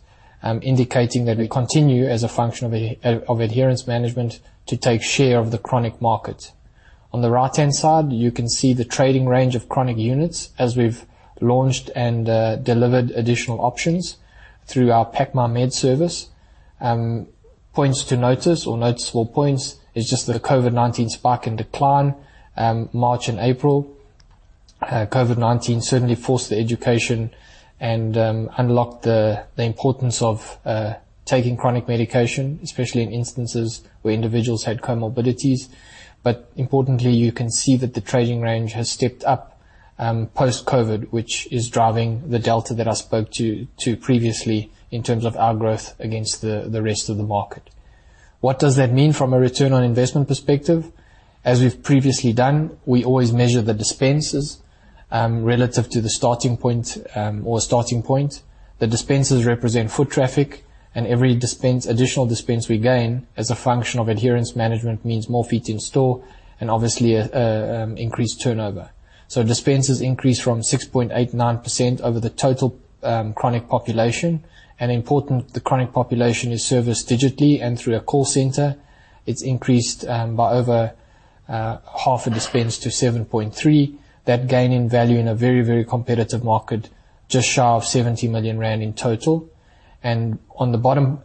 indicating that we continue as a function of adherence management to take share of the chronic market. On the right-hand side, you can see the trading range of chronic units as we've launched and delivered additional options through our Pack My Meds service. Points to notice or noticeable points is just the COVID-19 spike and decline, March and April. COVID-19 certainly forced the education and unlocked the importance of taking chronic medication, especially in instances where individuals had comorbidities. Importantly, you can see that the trading range has stepped up post-COVID, which is driving the delta that I spoke to previously in terms of our growth against the rest of the market. What does that mean from an ROI perspective? As we've previously done, we always measure the dispenses relative to the starting point or starting point. The dispenses represent foot traffic, and every additional dispense we gain as a function of adherence management means more feet in store and obviously increased turnover. Dispenses increased from 6.89% over the total chronic population. Important, the chronic population is serviced digitally and through a call center. It's increased by over half a dispense to 7.3%. That gain in value in a very, very competitive market just shy of 70 million rand in total. On the bottom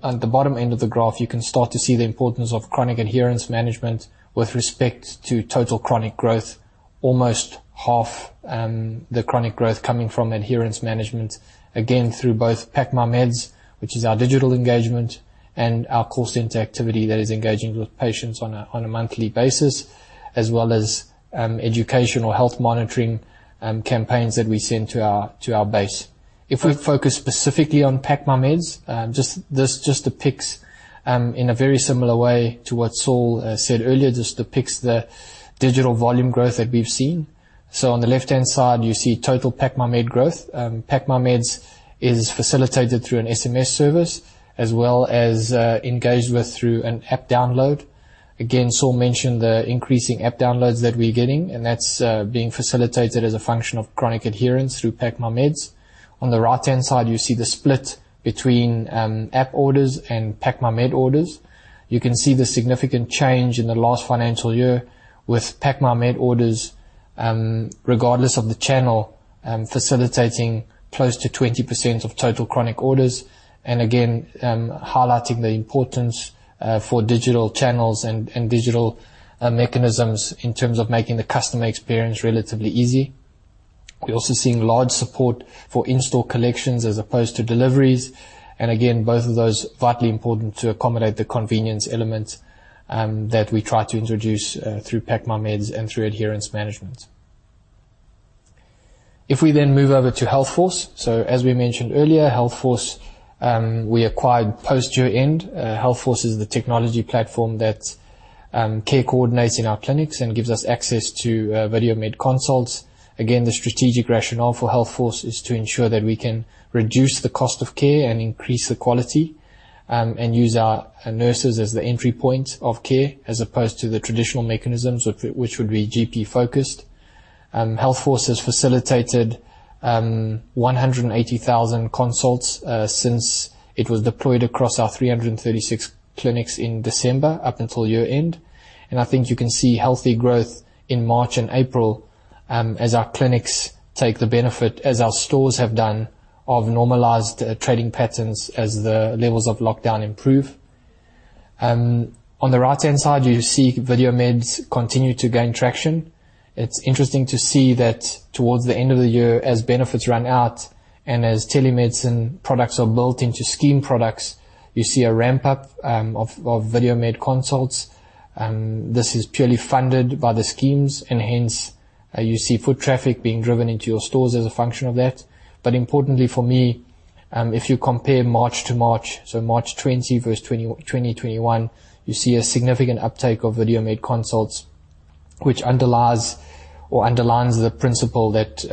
end of the graph, you can start to see the importance of chronic adherence management with respect to total chronic growth, almost half the chronic growth coming from adherence management, again, through both Pack My Meds, which is our digital engagement, and our call center activity that is engaging with patients on a monthly basis, as well as educational health monitoring campaigns that we send to our base. If we focus specifically on Pack My Meds, just depicts in a very similar way to what Saul said earlier, just depicts the digital volume growth that we've seen. On the left-hand side, you see total Pack My Meds growth. Pack My Meds is facilitated through an SMS service as well as engaged with through an app download. Saul mentioned the increasing app downloads that we're getting, and that's being facilitated as a function of chronic adherence through Pack My Meds. On the right-hand side, you see the split between app orders and Pack My Med orders. You can see the significant change in the last financial year with Pack My Med orders, regardless of the channel, facilitating close to 20% of total chronic orders and highlighting the importance for digital channels and digital mechanisms in terms of making the customer experience relatively easy. We're also seeing large support for in-store collections as opposed to deliveries, both of those vitally important to accommodate the convenience element that we try to introduce through Pack My Meds and through adherence management. If we move over to Healthforce. As we mentioned earlier, Healthforce, we acquired post year-end. Healthforce is the technology platform that care coordinates in our clinics and gives us access to video-med consults. Again, the strategic rationale for Healthforce is to ensure that we can reduce the cost of care and increase the quality, and use our nurses as the entry point of care as opposed to the traditional mechanisms of it, which would be GP-focused. Healthforce has facilitated 180,000 consults since it was deployed across our 336 clinics in December up until year-end. I think you can see healthy growth in March and April, as our clinics take the benefit as our stores have done of normalized trading patterns as the levels of lockdown improve. On the right-hand side, you see video meds continue to gain traction. It's interesting to see that towards the end of the year, as benefits run out and as telemedicine products are built into scheme products, you see a ramp-up of video-med consults. This is purely funded by the schemes, and hence, you see foot traffic being driven into your stores as a function of that. Importantly for me, if you compare March to March, so March 20 versus 2021, you see a significant uptake of video-med consults, which underlies or underlines the principle that,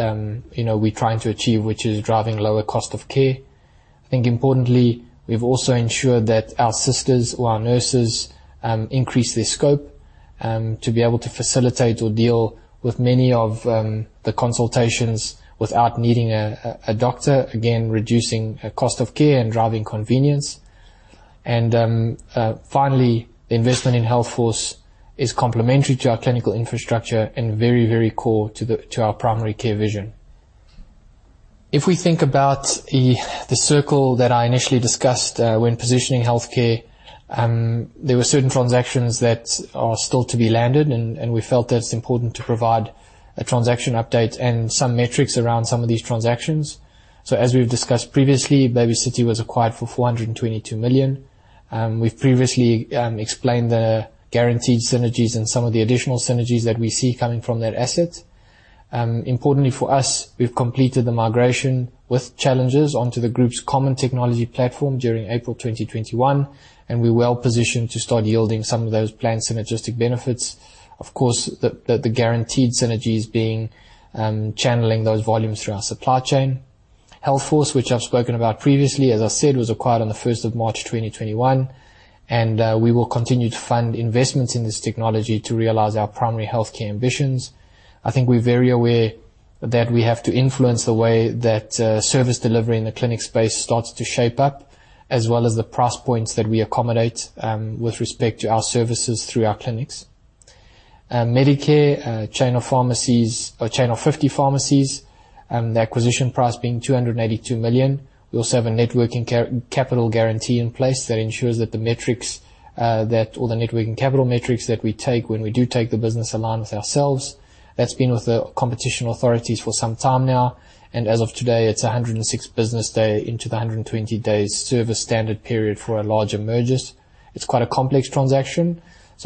you know, we're trying to achieve, which is driving lower cost of care. I think importantly, we've also ensured that our sisters or our nurses increase their scope to be able to facilitate or deal with many of the consultations without needing a doctor, again, reducing cost of care and driving convenience. Finally, investment in Healthforce is complementary to our clinical infrastructure and very, very core to our primary care vision. If we think about the circle that I initially discussed when positioning healthcare, there were certain transactions that are still to be landed and we felt that it's important to provide a transaction update and some metrics around some of these transactions. As we've discussed previously, Baby City was acquired for 422 million. We've previously explained the guaranteed synergies and some of the additional synergies that we see coming from that asset. Importantly for us, we've completed the migration with challenges onto the group's common technology platform during April 2021, and we're well-positioned to start yielding some of those planned synergistic benefits. Of course, the guaranteed synergies being channeling those volumes through our supply chain. Healthforce, which I've spoken about previously, as I said, was acquired on the 1st of March 2021, and we will continue to fund investments in this technology to realize our primary healthcare ambitions. I think we're very aware that we have to influence the way that service delivery in the clinic space starts to shape up, as well as the price points that we accommodate with respect to our services through our clinics. Medicare chain of pharmacies, a chain of 50 pharmacies, the acquisition price being 282 million. We also have a networking capital guarantee in place that ensures that the metrics, that all the networking capital metrics that we take when we do take the business align with ourselves. That's been with the competition authorities for some time now, and as of today, it's a 106th business day into the 120 days service standard period for our larger mergers. It's quite a complex transaction,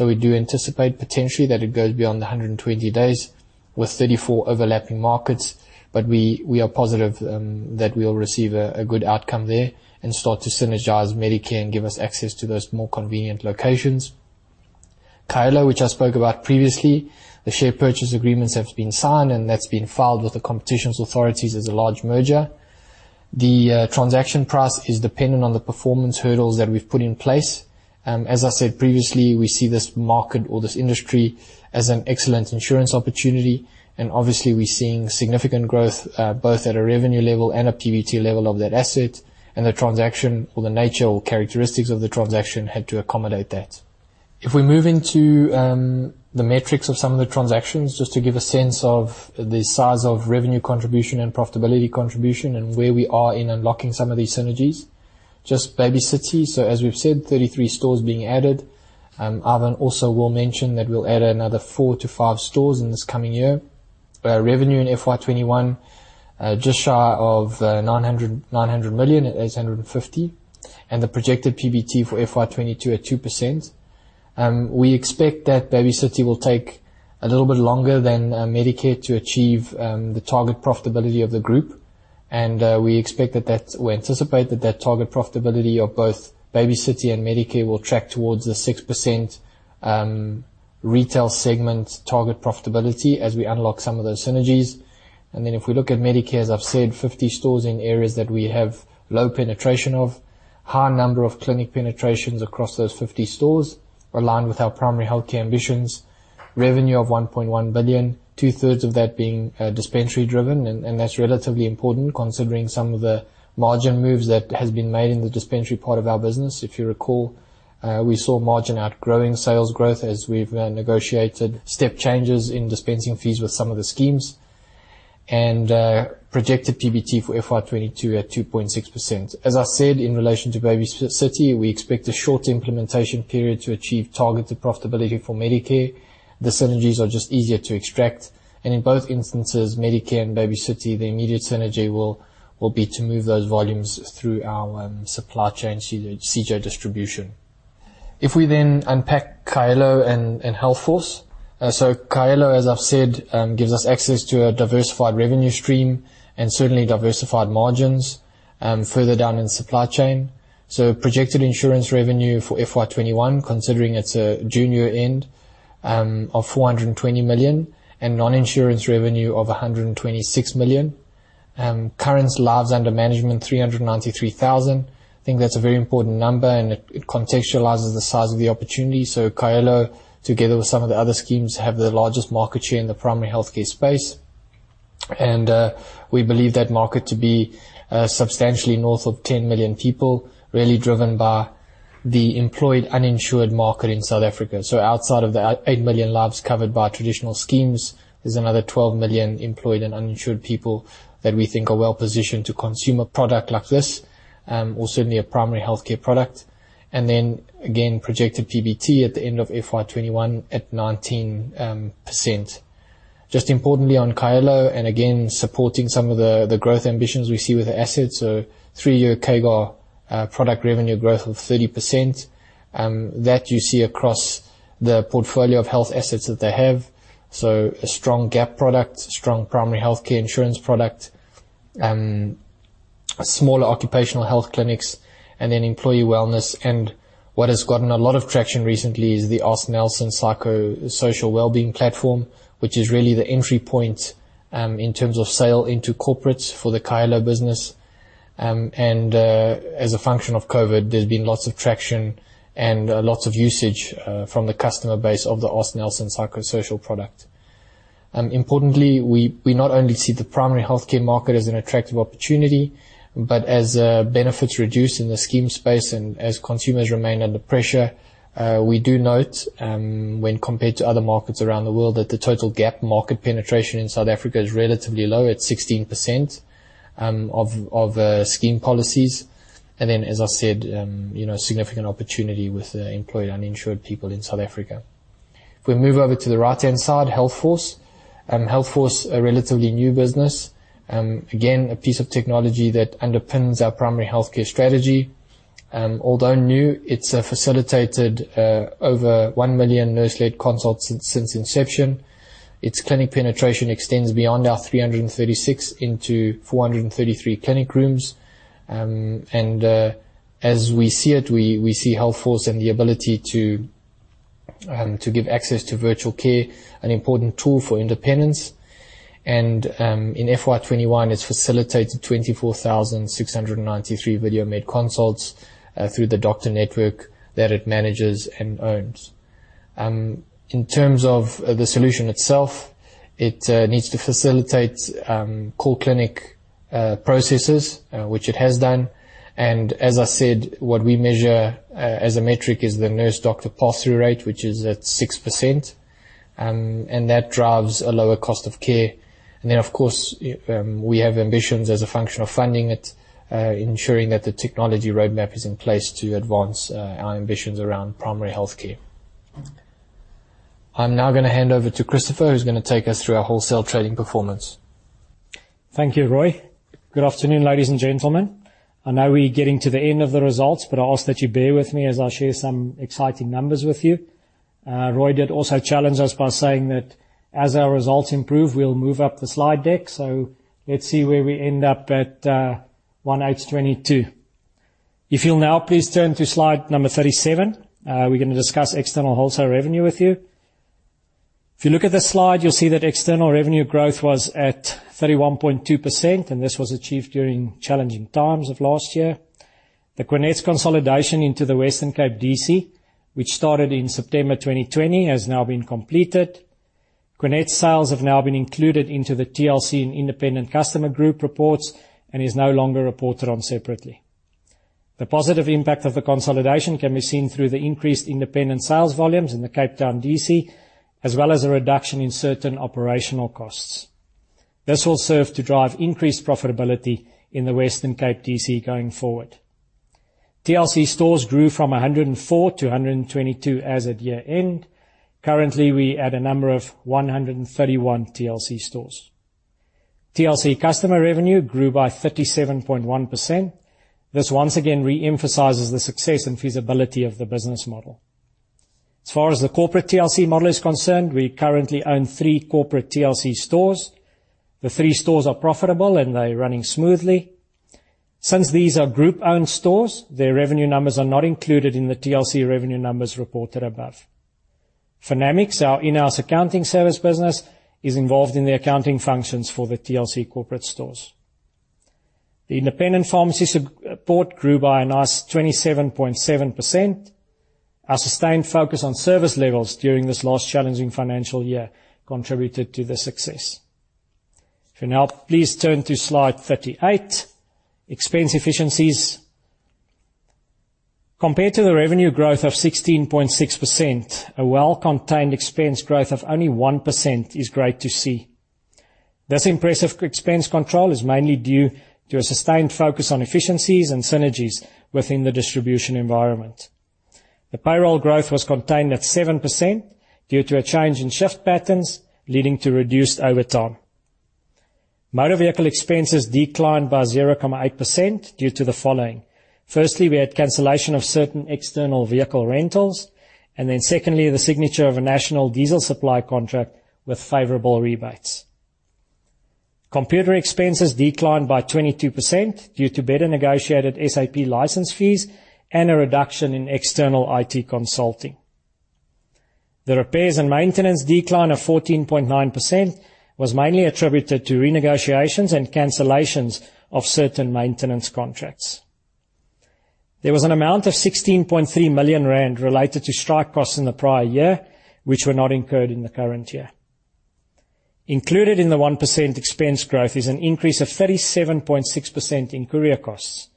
we do anticipate potentially that it goes beyond the 120 days with 34 overlapping markets. We are positive that we'll receive a good outcome there and start to synergize Medicare and give us access to those more convenient locations. Kaelo, which I spoke about previously, the share purchase agreements have been signed, and that's been filed with the competition authorities as a large merger. The transaction price is dependent on the performance hurdles that we've put in place. As I said previously, we see this market or this industry as an excellent insurance opportunity, and obviously we're seeing significant growth, both at a revenue level and a PBT level of that asset. The transaction or the nature or characteristics of the transaction had to accommodate that. If we move into the metrics of some of the transactions, just to give a sense of the size of revenue contribution and profitability contribution and where we are in unlocking some of these synergies. Just Baby City, so as we've said, 33 stores being added. Ivan Saltzman also will mention that we'll add another four to five stores in this coming year. Our revenue in FY 2021, just shy of 900 million at 850 million. The projected PBT for FY22 at two percent. We expect that Baby City will take a little bit longer than Medicare to achieve the target profitability of the group. We anticipate that that target profitability of both Baby City and Medicare will track towards the six percent retail segment target profitability as we unlock some of those synergies. If we look at Medicare, as I've said, 50 stores in areas that we have low penetration of. High number of clinic penetrations across those 50 stores aligned with our primary healthcare ambitions. Revenue of 1.1 billion, two-thirds of that being dispensary driven. That's relatively important considering some of the margin moves that has been made in the dispensary part of our business. If you recall, we saw margin outgrowing sales growth as we've negotiated step changes in dispensing fees with some of the schemes. Projected PBT for FY 2022 at 2.6%. As I said, in relation to Baby City, we expect a short implementation period to achieve targeted profitability for Medicare. The synergies are just easier to extract. In both instances, Medicare and Baby City, the immediate synergy will be to move those volumes through our supply chain CJ Distribution. If we then unpack Kaelo and Healthforce. So Kaelo, as I've said, gives us access to a diversified revenue stream and certainly diversified margins further down in the supply chain. Projected insurance revenue for FY 2021, considering it's a junior end, of 420 million and non-insurance revenue of 126 million. Current lives under management, 393,000. I think that's a very important number, and it contextualizes the size of the opportunity. Kaelo, together with some of the other schemes, have the largest market share in the primary healthcare space. We believe that market to be substantially north of 10 million people, really driven by the employed, uninsured market in South Africa. Outside of the eight million lives covered by traditional schemes, there's another 12 million employed and uninsured people that we think are well-positioned to consume a product like this, or certainly a primary healthcare product. Then again, projected PBT at the end of FY 2021 at 19%. Just importantly on Kaelo and again, supporting some of the growth ambitions we see with the assets. Three-year CAGR product revenue growth of 30% that you see across the portfolio of health assets that they have. A strong gap product, strong primary healthcare insurance product, smaller occupational health clinics, and then employee wellness. What has gotten a lot of traction recently is the AskNelson psychosocial wellbeing platform, which is really the entry point in terms of sale into corporates for the Kaelo business. As a function of COVID, there's been lots of traction and lots of usage from the customer base of the AskNelson psychosocial product. Importantly, we not only see the primary healthcare market as an attractive opportunity, but as benefits reduce in the scheme space and as consumers remain under pressure, we do note, when compared to other markets around the world, that the total gap market penetration in South Africa is relatively low at 16% of scheme policies. As I said, you know, significant opportunity with employed, uninsured people in South Africa. If we move over to the right-hand side, Healthforce. Healthforce, a relatively new business. Again, a piece of technology that underpins our primary healthcare strategy. Although new, it's facilitated over one million nurse-led consults since inception. Its clinic penetration extends beyond our 336 into 433 clinic rooms. As we see it, we see Healthforce and the ability to give access to virtual care an important tool for independence. In FY21, it's facilitated 24,693 video visits through the doctor network that it manages and owns. In terms of the solution itself, it needs to facilitate call clinic processes, which it has done. As I said, what we measure as a metric is the nurse/doctor pass-through rate, which is at six percent. That drives a lower cost of care. Of course, we have ambitions as a function of funding it, ensuring that the technology roadmap is in place to advance our ambitions around primary healthcare. I'm now gonna hand over to Christopher, who's gonna take us through our wholesale trading performance. Thank you, Rui. Good afternoon, ladies and gentlemen. I know we're getting to the end of the results, but I ask that you bear with me as I share some exciting numbers with you. Rui did also challenge us by saying that as our results improve, we'll move up the slide deck. Let's see where we end up at 1/8/2022. If you'll now please turn to slide number 37. We're gonna discuss external wholesale revenue with you. If you look at the slide, you'll see that external revenue growth was at 31.2%, and this was achieved during challenging times of last year. The Quenet consolidation into the Western Cape DC, which started in September 2020, has now been completed. Quenet sales have now been included into the TLC and independent customer group reports and is no longer reported on separately. The positive impact of the consolidation can be seen through the increased independent sales volumes in the Cape Town DC, as well as a reduction in certain operational costs. This will serve to drive increased profitability in the Western Cape DC going forward. TLC stores grew from 104 to 122 as of year-end. Currently, we add a number of 131 TLC stores. TLC customer revenue grew by 37.1%. This once again reemphasizes the success and feasibility of the business model. As far as the corporate TLC model is concerned, we currently own three corporate TLC stores. The three stores are profitable, and they're running smoothly. Since these are group-owned stores, their revenue numbers are not included in the TLC revenue numbers reported above. [Feenamics], our in-house accounting service business, is involved in the accounting functions for the TLC corporate stores. The independent pharmacy support grew by a nice 27.7%. Our sustained focus on service levels during this last challenging financial year contributed to the success. If you'll now please turn to slide 38, expense efficiencies. Compared to the revenue growth of 16.6%, a well-contained expense growth of only one percent is great to see. This impressive expense control is mainly due to a sustained focus on efficiencies and synergies within the distribution environment. The payroll growth was contained at seven percent due to a change in shift patterns leading to reduced overtime. Motor vehicle expenses declined by 0.8% due to the following. Firstly, we had cancellation of certain external vehicle rentals. Secondly, the signature of a national diesel supply contract with favorable rebates. Computer expenses declined by 22% due to better negotiated SAP license fees and a reduction in external IT consulting. The repairs and maintenance decline of 14.9% was mainly attributed to renegotiations and cancellations of certain maintenance contracts. There was an amount of 16.3 million rand related to strike costs in the prior year, which were not incurred in the current year. Included in the one percent expense growth is an increase of 37.6% in courier costs.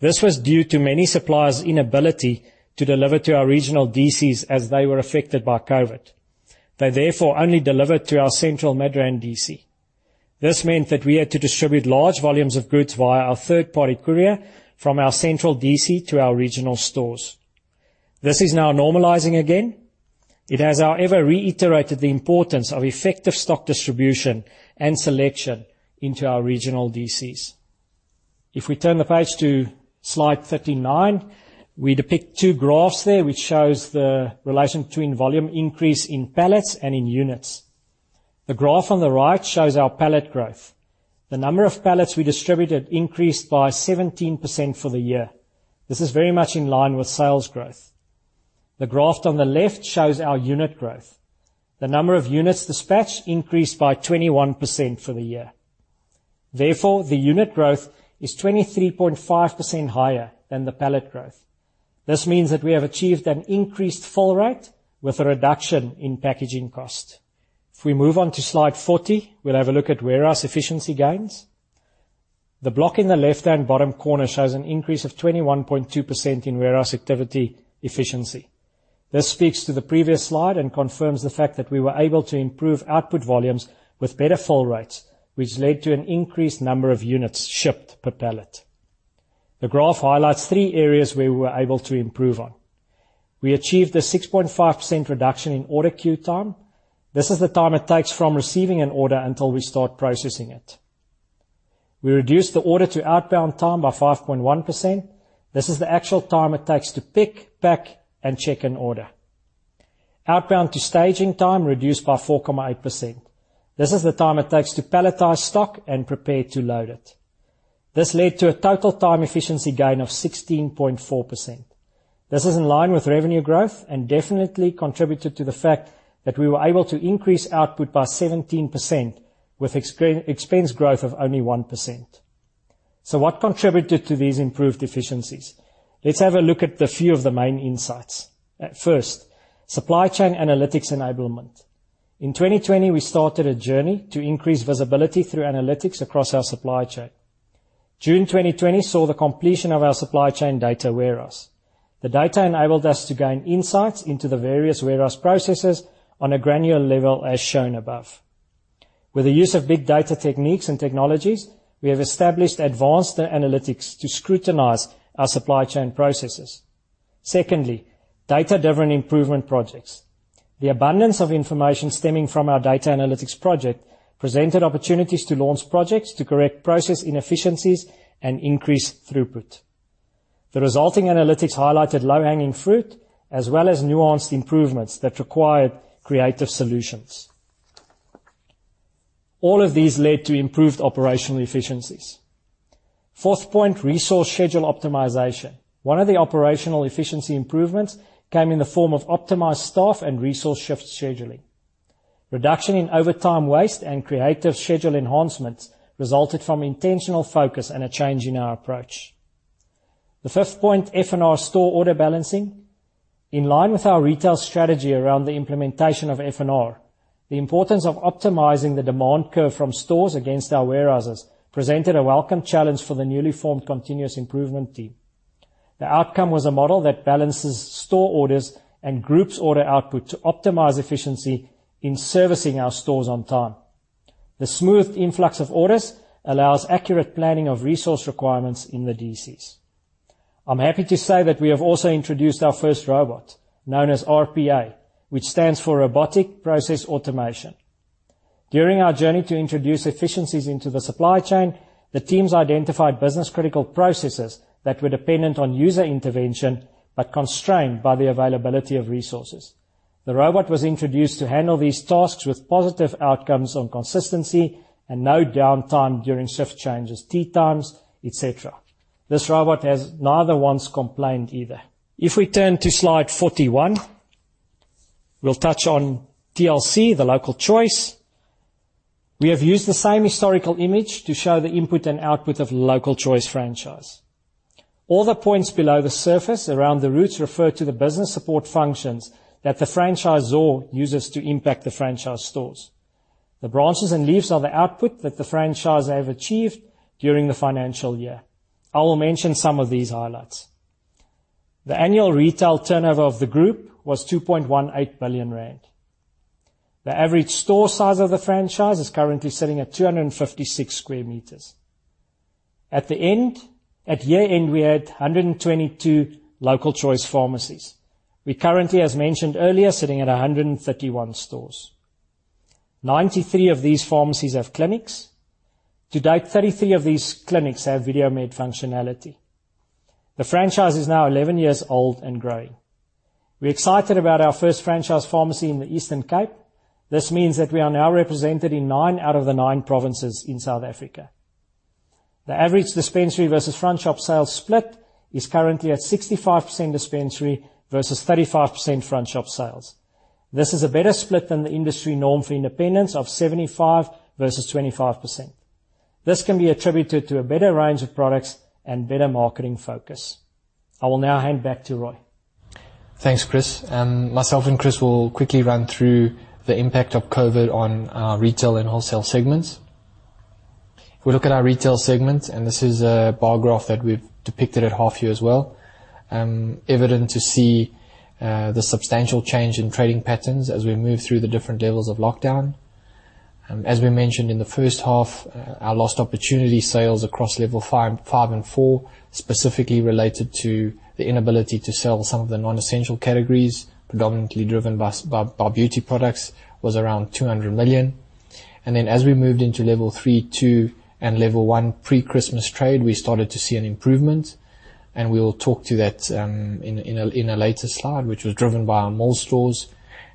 This was due to many suppliers' inability to deliver to our regional DCs as they were affected by COVID. They therefore only delivered to our central Midrand DC. This meant that we had to distribute large volumes of goods via our third-party courier from our central DC to our regional stores. This is now normalizing again. It has, however, reiterated the importance of effective stock distribution and selection into our regional DCs. If we turn the page to slide 39, we depict two graphs there which shows the relation between volume increase in pallets and in units. The graph on the right shows our pallet growth. The number of pallets we distributed increased by 17% for the year. This is very much in line with sales growth. The graph on the left shows our unit growth. The number of units dispatched increased by 21% for the year. Therefore, the unit growth is 23.5% higher than the pallet growth. This means that we have achieved an increased fill rate with a reduction in packaging cost. If we move on to slide 40, we'll have a look at warehouse efficiency gains. The block in the left-hand bottom corner shows an increase of 21.2% in warehouse activity efficiency. This speaks to the previous slide and confirms the fact that we were able to improve output volumes with better fill rates, which led to an increased number of units shipped per pallet. The graph highlights 3 areas where we were able to improve on. We achieved a 6.5% reduction in order queue time. This is the time it takes from receiving an order until we start processing it. We reduced the order to outbound time by 5.1%. This is the actual time it takes to pick, pack, and check an order. Outbound to staging time reduced by 4.8%. This is the time it takes to palletize stock and prepare to load it. This led to a total time efficiency gain of 16.4%. This is in line with revenue growth and definitely contributed to the fact that we were able to increase output by 17% with expense growth of only one percent What contributed to these improved efficiencies? Let's have a look at the few of the main insights. At first, supply chain analytics enablement. In 2020, we started a journey to increase visibility through analytics across our supply chain. June 2020 saw the completion of our supply chain data warehouse. The data enabled us to gain insights into the various warehouse processes on a granular level, as shown above. With the use of big data techniques and technologies, we have established advanced analytics to scrutinize our supply chain processes. Secondly, data-driven improvement projects. The abundance of information stemming from our data analytics project presented opportunities to launch projects to correct process inefficiencies and increase throughput. The resulting analytics highlighted low-hanging fruit, as well as nuanced improvements that required creative solutions. All of these led to improved operational efficiencies. Fourth point, resource schedule optimization. One of the operational efficiency improvements came in the form of optimized staff and resource shift scheduling. Reduction in overtime waste and creative schedule enhancements resulted from intentional focus and a change in our approach. The fifth point, F&R store order balancing. In line with our retail strategy around the implementation of F&R, the importance of optimizing the demand curve from stores against our warehouses presented a welcome challenge for the newly formed continuous improvement team. The outcome was a model that balances store orders and groups order output to optimize efficiency in servicing our stores on time. The smooth influx of orders allows accurate planning of resource requirements in the DCs. I'm happy to say that we have also introduced our first robot known as RPA, which stands for Robotic Process Automation. During our journey to introduce efficiencies into the supply chain, the teams identified business critical processes that were dependent on user intervention, but constrained by the availability of resources. The robot was introduced to handle these tasks with positive outcomes on consistency and no downtime during shift changes, tea times, et cetera. This robot has not once complained either. If we turn to slide 41, we'll touch on TLC, The Local Choice. We have used the same historical image to show the input and output of The Local Choice franchise. All the points below the surface around the roots refer to the business support functions that the franchisor uses to impact the franchise stores. The branches and leaves are the output that the franchise have achieved during the financial year. I will mention some of these highlights. The annual retail turnover of the group was 2.18 billion rand. The average store size of the franchise is currently sitting at 256 sq m. At year-end, we had 122 The Local Choice pharmacies. We currently, as mentioned earlier, sitting at 131 stores. 93 of these pharmacies have clinics. To date, 33 of these clinics have video visits functionality. The franchise is now 11 years old and growing. We're excited about our first franchise pharmacy in the Eastern Cape. This means that we are now represented in nine out of the nine provinces in South Africa. The average dispensary versus front shop sales split is currently at 65% dispensary versus 35% front shop sales. This is a better split than the industry norm for independence of 75% versus 25%. This can be attributed to a better range of products and better marketing focus. I will now hand back to Rui Morais. Thanks, Chris. Myself and Chris will quickly run through the impact of COVID on our retail and wholesale segments. If we look at our retail segment, this is a bar graph that we've depicted at half year as well, evident to see the substantial change in trading patterns as we move through the different levels of lockdown. As we mentioned in the first half, our lost opportunity sales across level five and four, specifically related to the inability to sell some of the non-essential categories, predominantly driven by beauty products, was around 200 million. As we moved into level three, two, and level one pre-Christmas trade, we started to see an improvement, and we'll talk to that in a later slide, which was driven by our mall stores.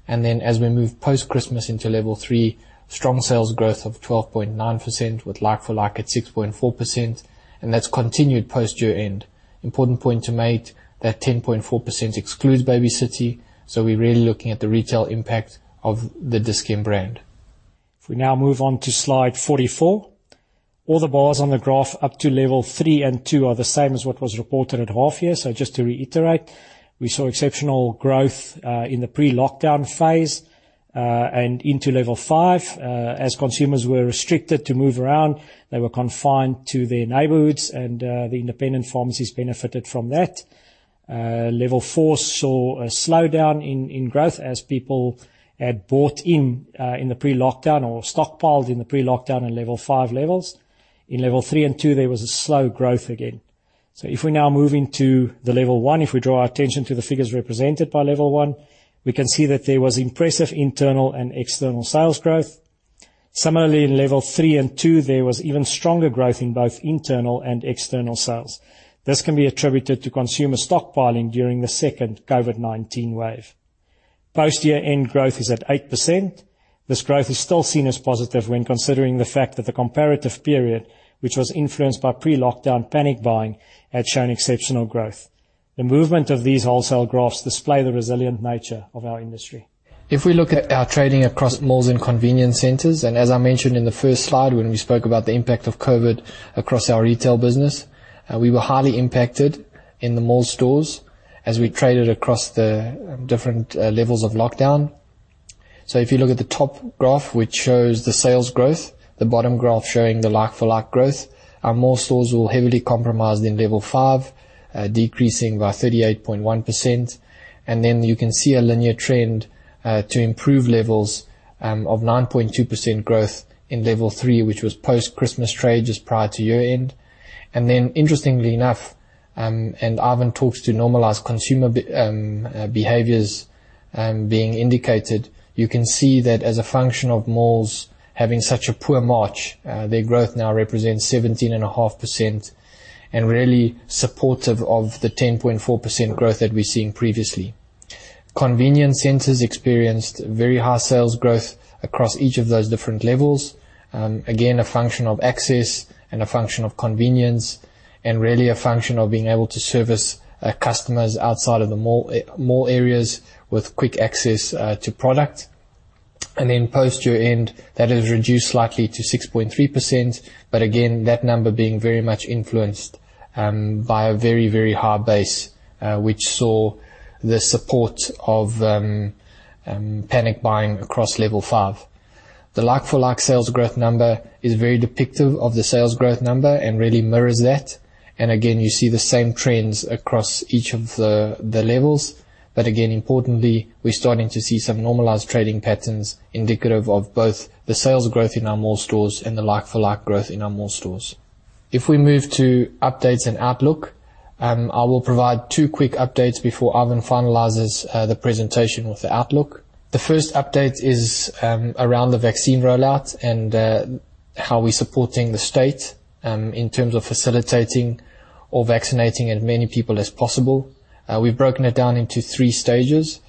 As we move post-Christmas into level three, strong sales growth of 12.9% with like for like at 6.4%, and that's continued post year-end. Important point to make, that 10.4% excludes Baby City, so we're really looking at the retail impact of the Dis-Chem brand. If we now move on to slide 44. All the bars on the graph up to level three and two are the same as what was reported at half year. Just to reiterate, we saw exceptional growth in the pre-lockdown phase and into level 5. As consumers were restricted to move around, they were confined to their neighborhoods and the independent pharmacies benefited from that. Level four saw a slowdown in growth as people had bought in in the pre-lockdown or stockpiled in the pre-lockdown and level five levels. In level three and two, there was a slow growth again. If we now move into the level one, if we draw our attention to the figures represented by level one, we can see that there was impressive internal and external sales growth. eight percent This growth is still seen as positive when considering the fact that the comparative period, which was influenced by pre-lockdown panic buying, had shown exceptional growth. The movement of these wholesale graphs display the resilient nature of our industry. If we look at our trading across malls and convenience centers, as I mentioned in the first slide when we spoke about the impact of COVID across our retail business, we were highly impacted in the mall stores as we traded across the different levels of lockdown. If you look at the top graph, which shows the sales growth, the bottom graph showing the like-for-like growth, our mall stores were heavily compromised in level five, decreasing by 38.1%. Then you can see a linear trend to improve levels of 9.2% growth in level three, which was post-Christmas trade just prior to year-end. Then interestingly enough, Ivan talks to normalized consumer behaviors being indicated. You can see that as a function of malls having such a poor March, their growth now represents 17.5% and really supportive of the 10.4% growth that we're seeing previously. Convenience centers experienced very high sales growth across each of those different levels. Again, a function of access and a function of convenience, really a function of being able to service customers outside of the mall areas with quick access to product. Post year-end, that has reduced slightly to 6.3%, again, that number being very much influenced by a very, very high base, which saw the support of panic buying across level five. The like-for-like sales growth number is very depictive of the sales growth number and really mirrors that. Again, you see the same trends across each of the levels. Again, importantly, we're starting to see some normalized trading patterns indicative of both the sales growth in our mall stores and the like-for-like growth in our mall stores. If we move to updates and outlook, I will provide two quick updates before Ivan finalizes the presentation with the outlook. The 1st update is around the vaccine rollout and how we're supporting the state in terms of facilitating or vaccinating as many people as possible. We've broken it down into three stages.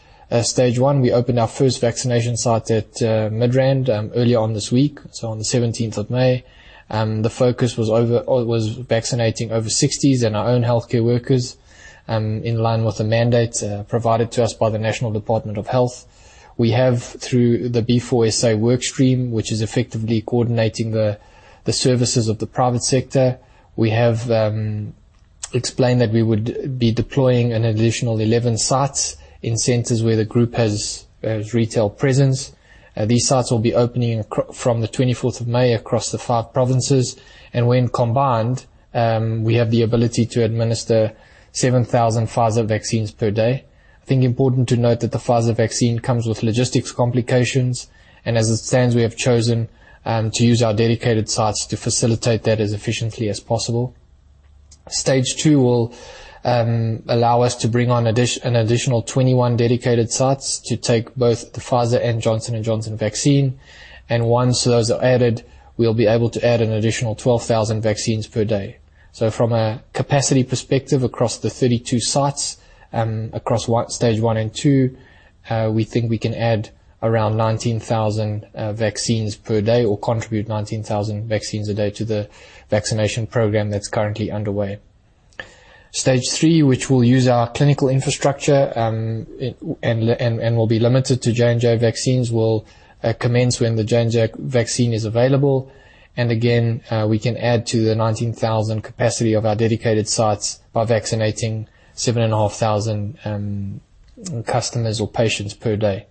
Stage one, we opened our 1st vaccination site at Midrand earlier on this week, so on the 17th of May. The focus was vaccinating over 60s and our own healthcare workers, in line with the mandate provided to us by the National Department of Health. We have, through the B4SA workstream, which is effectively coordinating the services of the private sector, we have explained that we would be deploying an additional 11 sites in centers where the group has retail presence. These sites will be opening from the May 24th across the five provinces. When combined, we have the ability to administer 7,000 Pfizer vaccines per day. I think important to note that the Pfizer vaccine comes with logistics complications, and as it stands, we have chosen to use our dedicated sites to facilitate that as efficiently as possible. Stage 2 will allow us to bring on an additional 21 dedicated sites to take both the Pfizer and Johnson & Johnson vaccine. Once those are added, we'll be able to add an additional 12,000 vaccines per day. From a capacity perspective across the 32 sites, across stage one and two we think we can add around 19,000 vaccines per day or contribute 19,000 vaccines a day to the vaccination program that's currently underway. Stage three, which will use our clinical infrastructure, it and will be limited to J&J vaccines, will commence when the J&J vaccine is available. Again, we can add to the 19,000 capacity of our dedicated sites by vaccinating 7,500 customers or patients per day.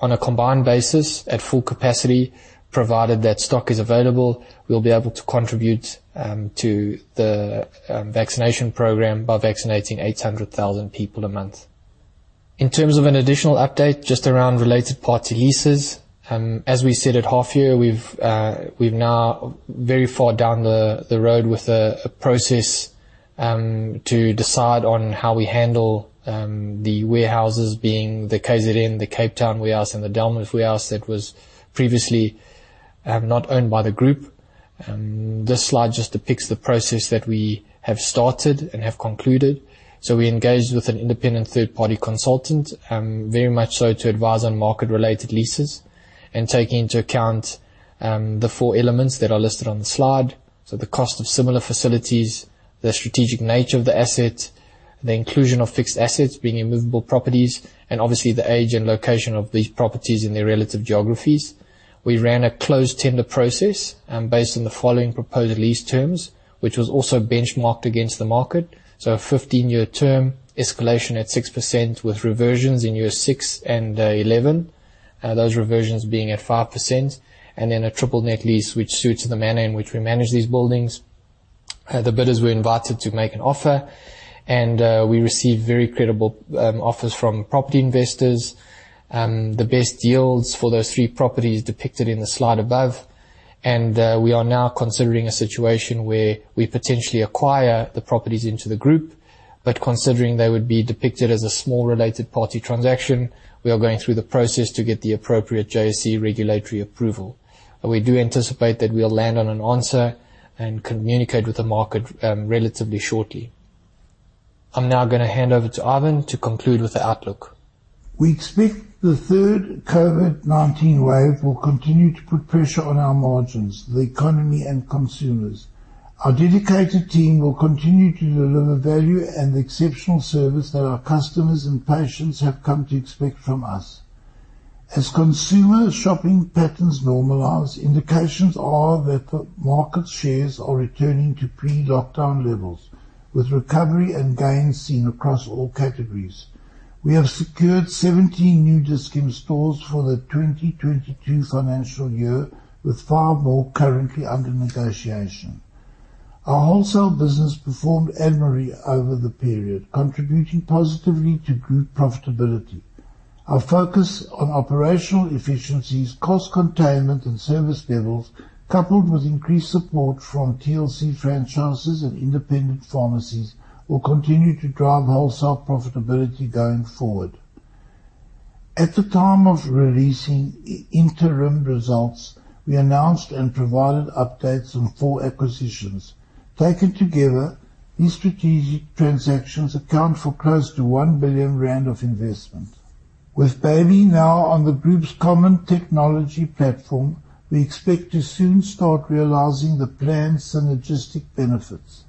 On a combined basis, at full capacity, provided that stock is available, we'll be able to contribute to the vaccination program by vaccinating 800,000 people a month. In terms of an additional update, just around related party leases, as we said at half year, we've now very far down the road with a process to decide on how we handle the warehouses being the KZN, the Cape Town warehouse, and the Delmas warehouse that was previously not owned by the group. This slide just depicts the process that we have started and have concluded. We engaged with an independent third-party consultant, very much so to advise on market-related leases and take into account the four elements that are listed on the slide. The cost of similar facilities, the strategic nature of the asset, the inclusion of fixed assets being immovable properties, and obviously the age and location of these properties in their relative geographies. We ran a closed tender process, based on the following proposed lease terms, which was also benchmarked against the market. A 15-year term escalation at six percent with reversions in yearsix and eleven. Those reversions being a five percent. A triple net lease which suits the manner in which we manage these buildings. The bidders were invited to make an offer, and we received very credible offers from property investors. The best deals for those three properties depicted in the slide above. We are now considering a situation where we potentially acquire the properties into the group. Considering they would be depicted as a small related party transaction, we are going through the process to get the appropriate JSE regulatory approval. We do anticipate that we'll land on an answer and communicate with the market relatively shortly. I'm now gonna hand over to Ivan to conclude with the outlook. We expect the third COVID-19 wave will continue to put pressure on our margins, the economy, and consumers. Our dedicated team will continue to deliver value and exceptional service that our customers and patients have come to expect from us. As consumer shopping patterns normalize, indications are that the market shares are returning to pre-lockdown levels, with recovery and gains seen across all categories. We have secured 17 new Dis-Chem stores for the 2022 financial year, with far more currently under negotiation. Our wholesale business performed admirably over the period, contributing positively to group profitability. Our focus on operational efficiencies, cost containment, and service levels, coupled with increased support from TLC franchises and independent pharmacies, will continue to drive wholesale profitability going forward. At the time of releasing interim results, we announced and provided updates on four acquisitions. Taken together, these strategic transactions account for close to 1 billion rand of investment. With Baby City now on the group's common technology platform, we expect to soon start realizing the planned synergistic benefits.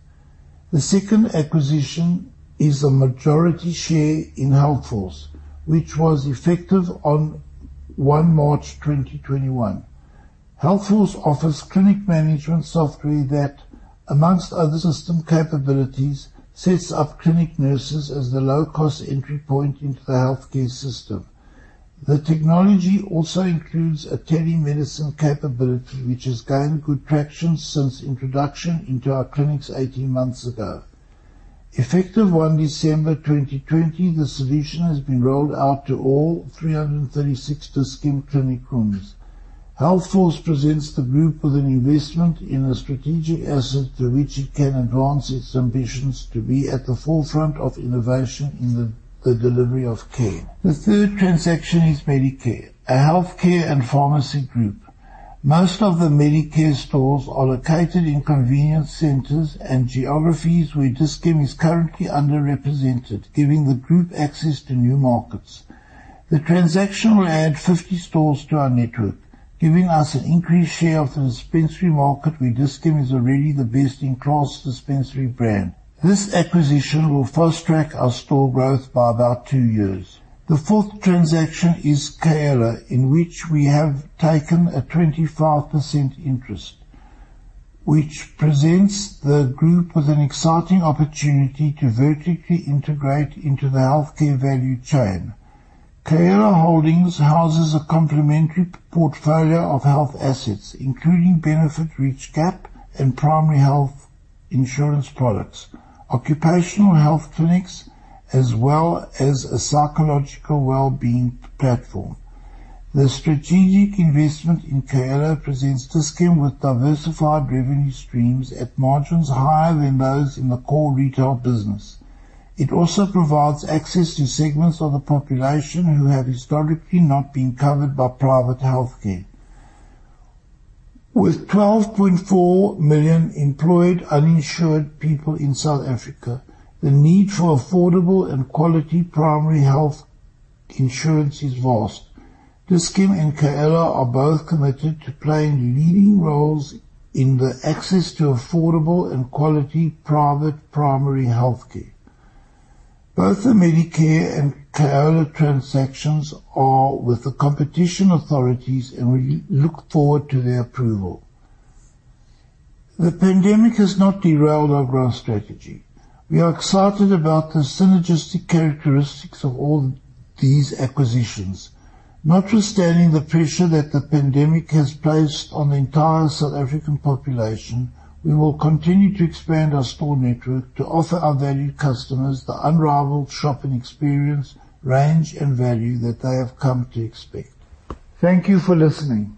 The second acquisition is a majority share in Healthforce, which was effective on 1 March 2021. Healthforce offers clinic management software that, among other system capabilities, sets up clinic nurses as the low-cost entry point into the healthcare system. The technology also includes a telemedicine capability, which has gained good traction since introduction into our clinics 18 months ago. Effective December 1st 2020, the solution has been rolled out to all 336 Dis-Chem clinic rooms. Healthforce presents the group with an investment in a strategic asset through which it can advance its ambitions to be at the forefront of innovation in the delivery of care. The third transaction is Medicare, a healthcare and pharmacy group. Most of the Medicare stores are located in convenience centers and geographies where Dis-Chem is currently underrepresented, giving the group access to new markets. The transaction will add 50 stores to our network, giving us an increased share of the dispensary market where Dis-Chem is already the best in class dispensary brand. This acquisition will fast-track our store growth by about two years. The fourth transaction is Kaelo, in which we have taken a 25% interest, which presents the group with an exciting opportunity to vertically integrate into the healthcare value chain. Kaelo Holdings houses a complementary portfolio of health assets, including benefit-rich gap and primary health insurance products, occupational health clinics, as well as a psychological wellbeing platform. The strategic investment in Kaelo presents Dis-Chem with diversified revenue streams at margins higher than those in the core retail business. It also provides access to segments of the population who have historically not been covered by private healthcare. With 12.4 million employed, uninsured people in South Africa, the need for affordable and quality primary health insurance is vast. Dis-Chem and Kaelo are both committed to playing leading roles in the access to affordable and quality private primary healthcare. Both the Medicare and Kaelo transactions are with the competition authorities, and we look forward to their approval. The pandemic has not derailed our growth strategy. We are excited about the synergistic characteristics of all these acquisitions. Notwithstanding the pressure that the pandemic has placed on the entire South African population, we will continue to expand our store network to offer our valued customers the unrivaled shopping experience, range, and value that they have come to expect. Thank you for listening.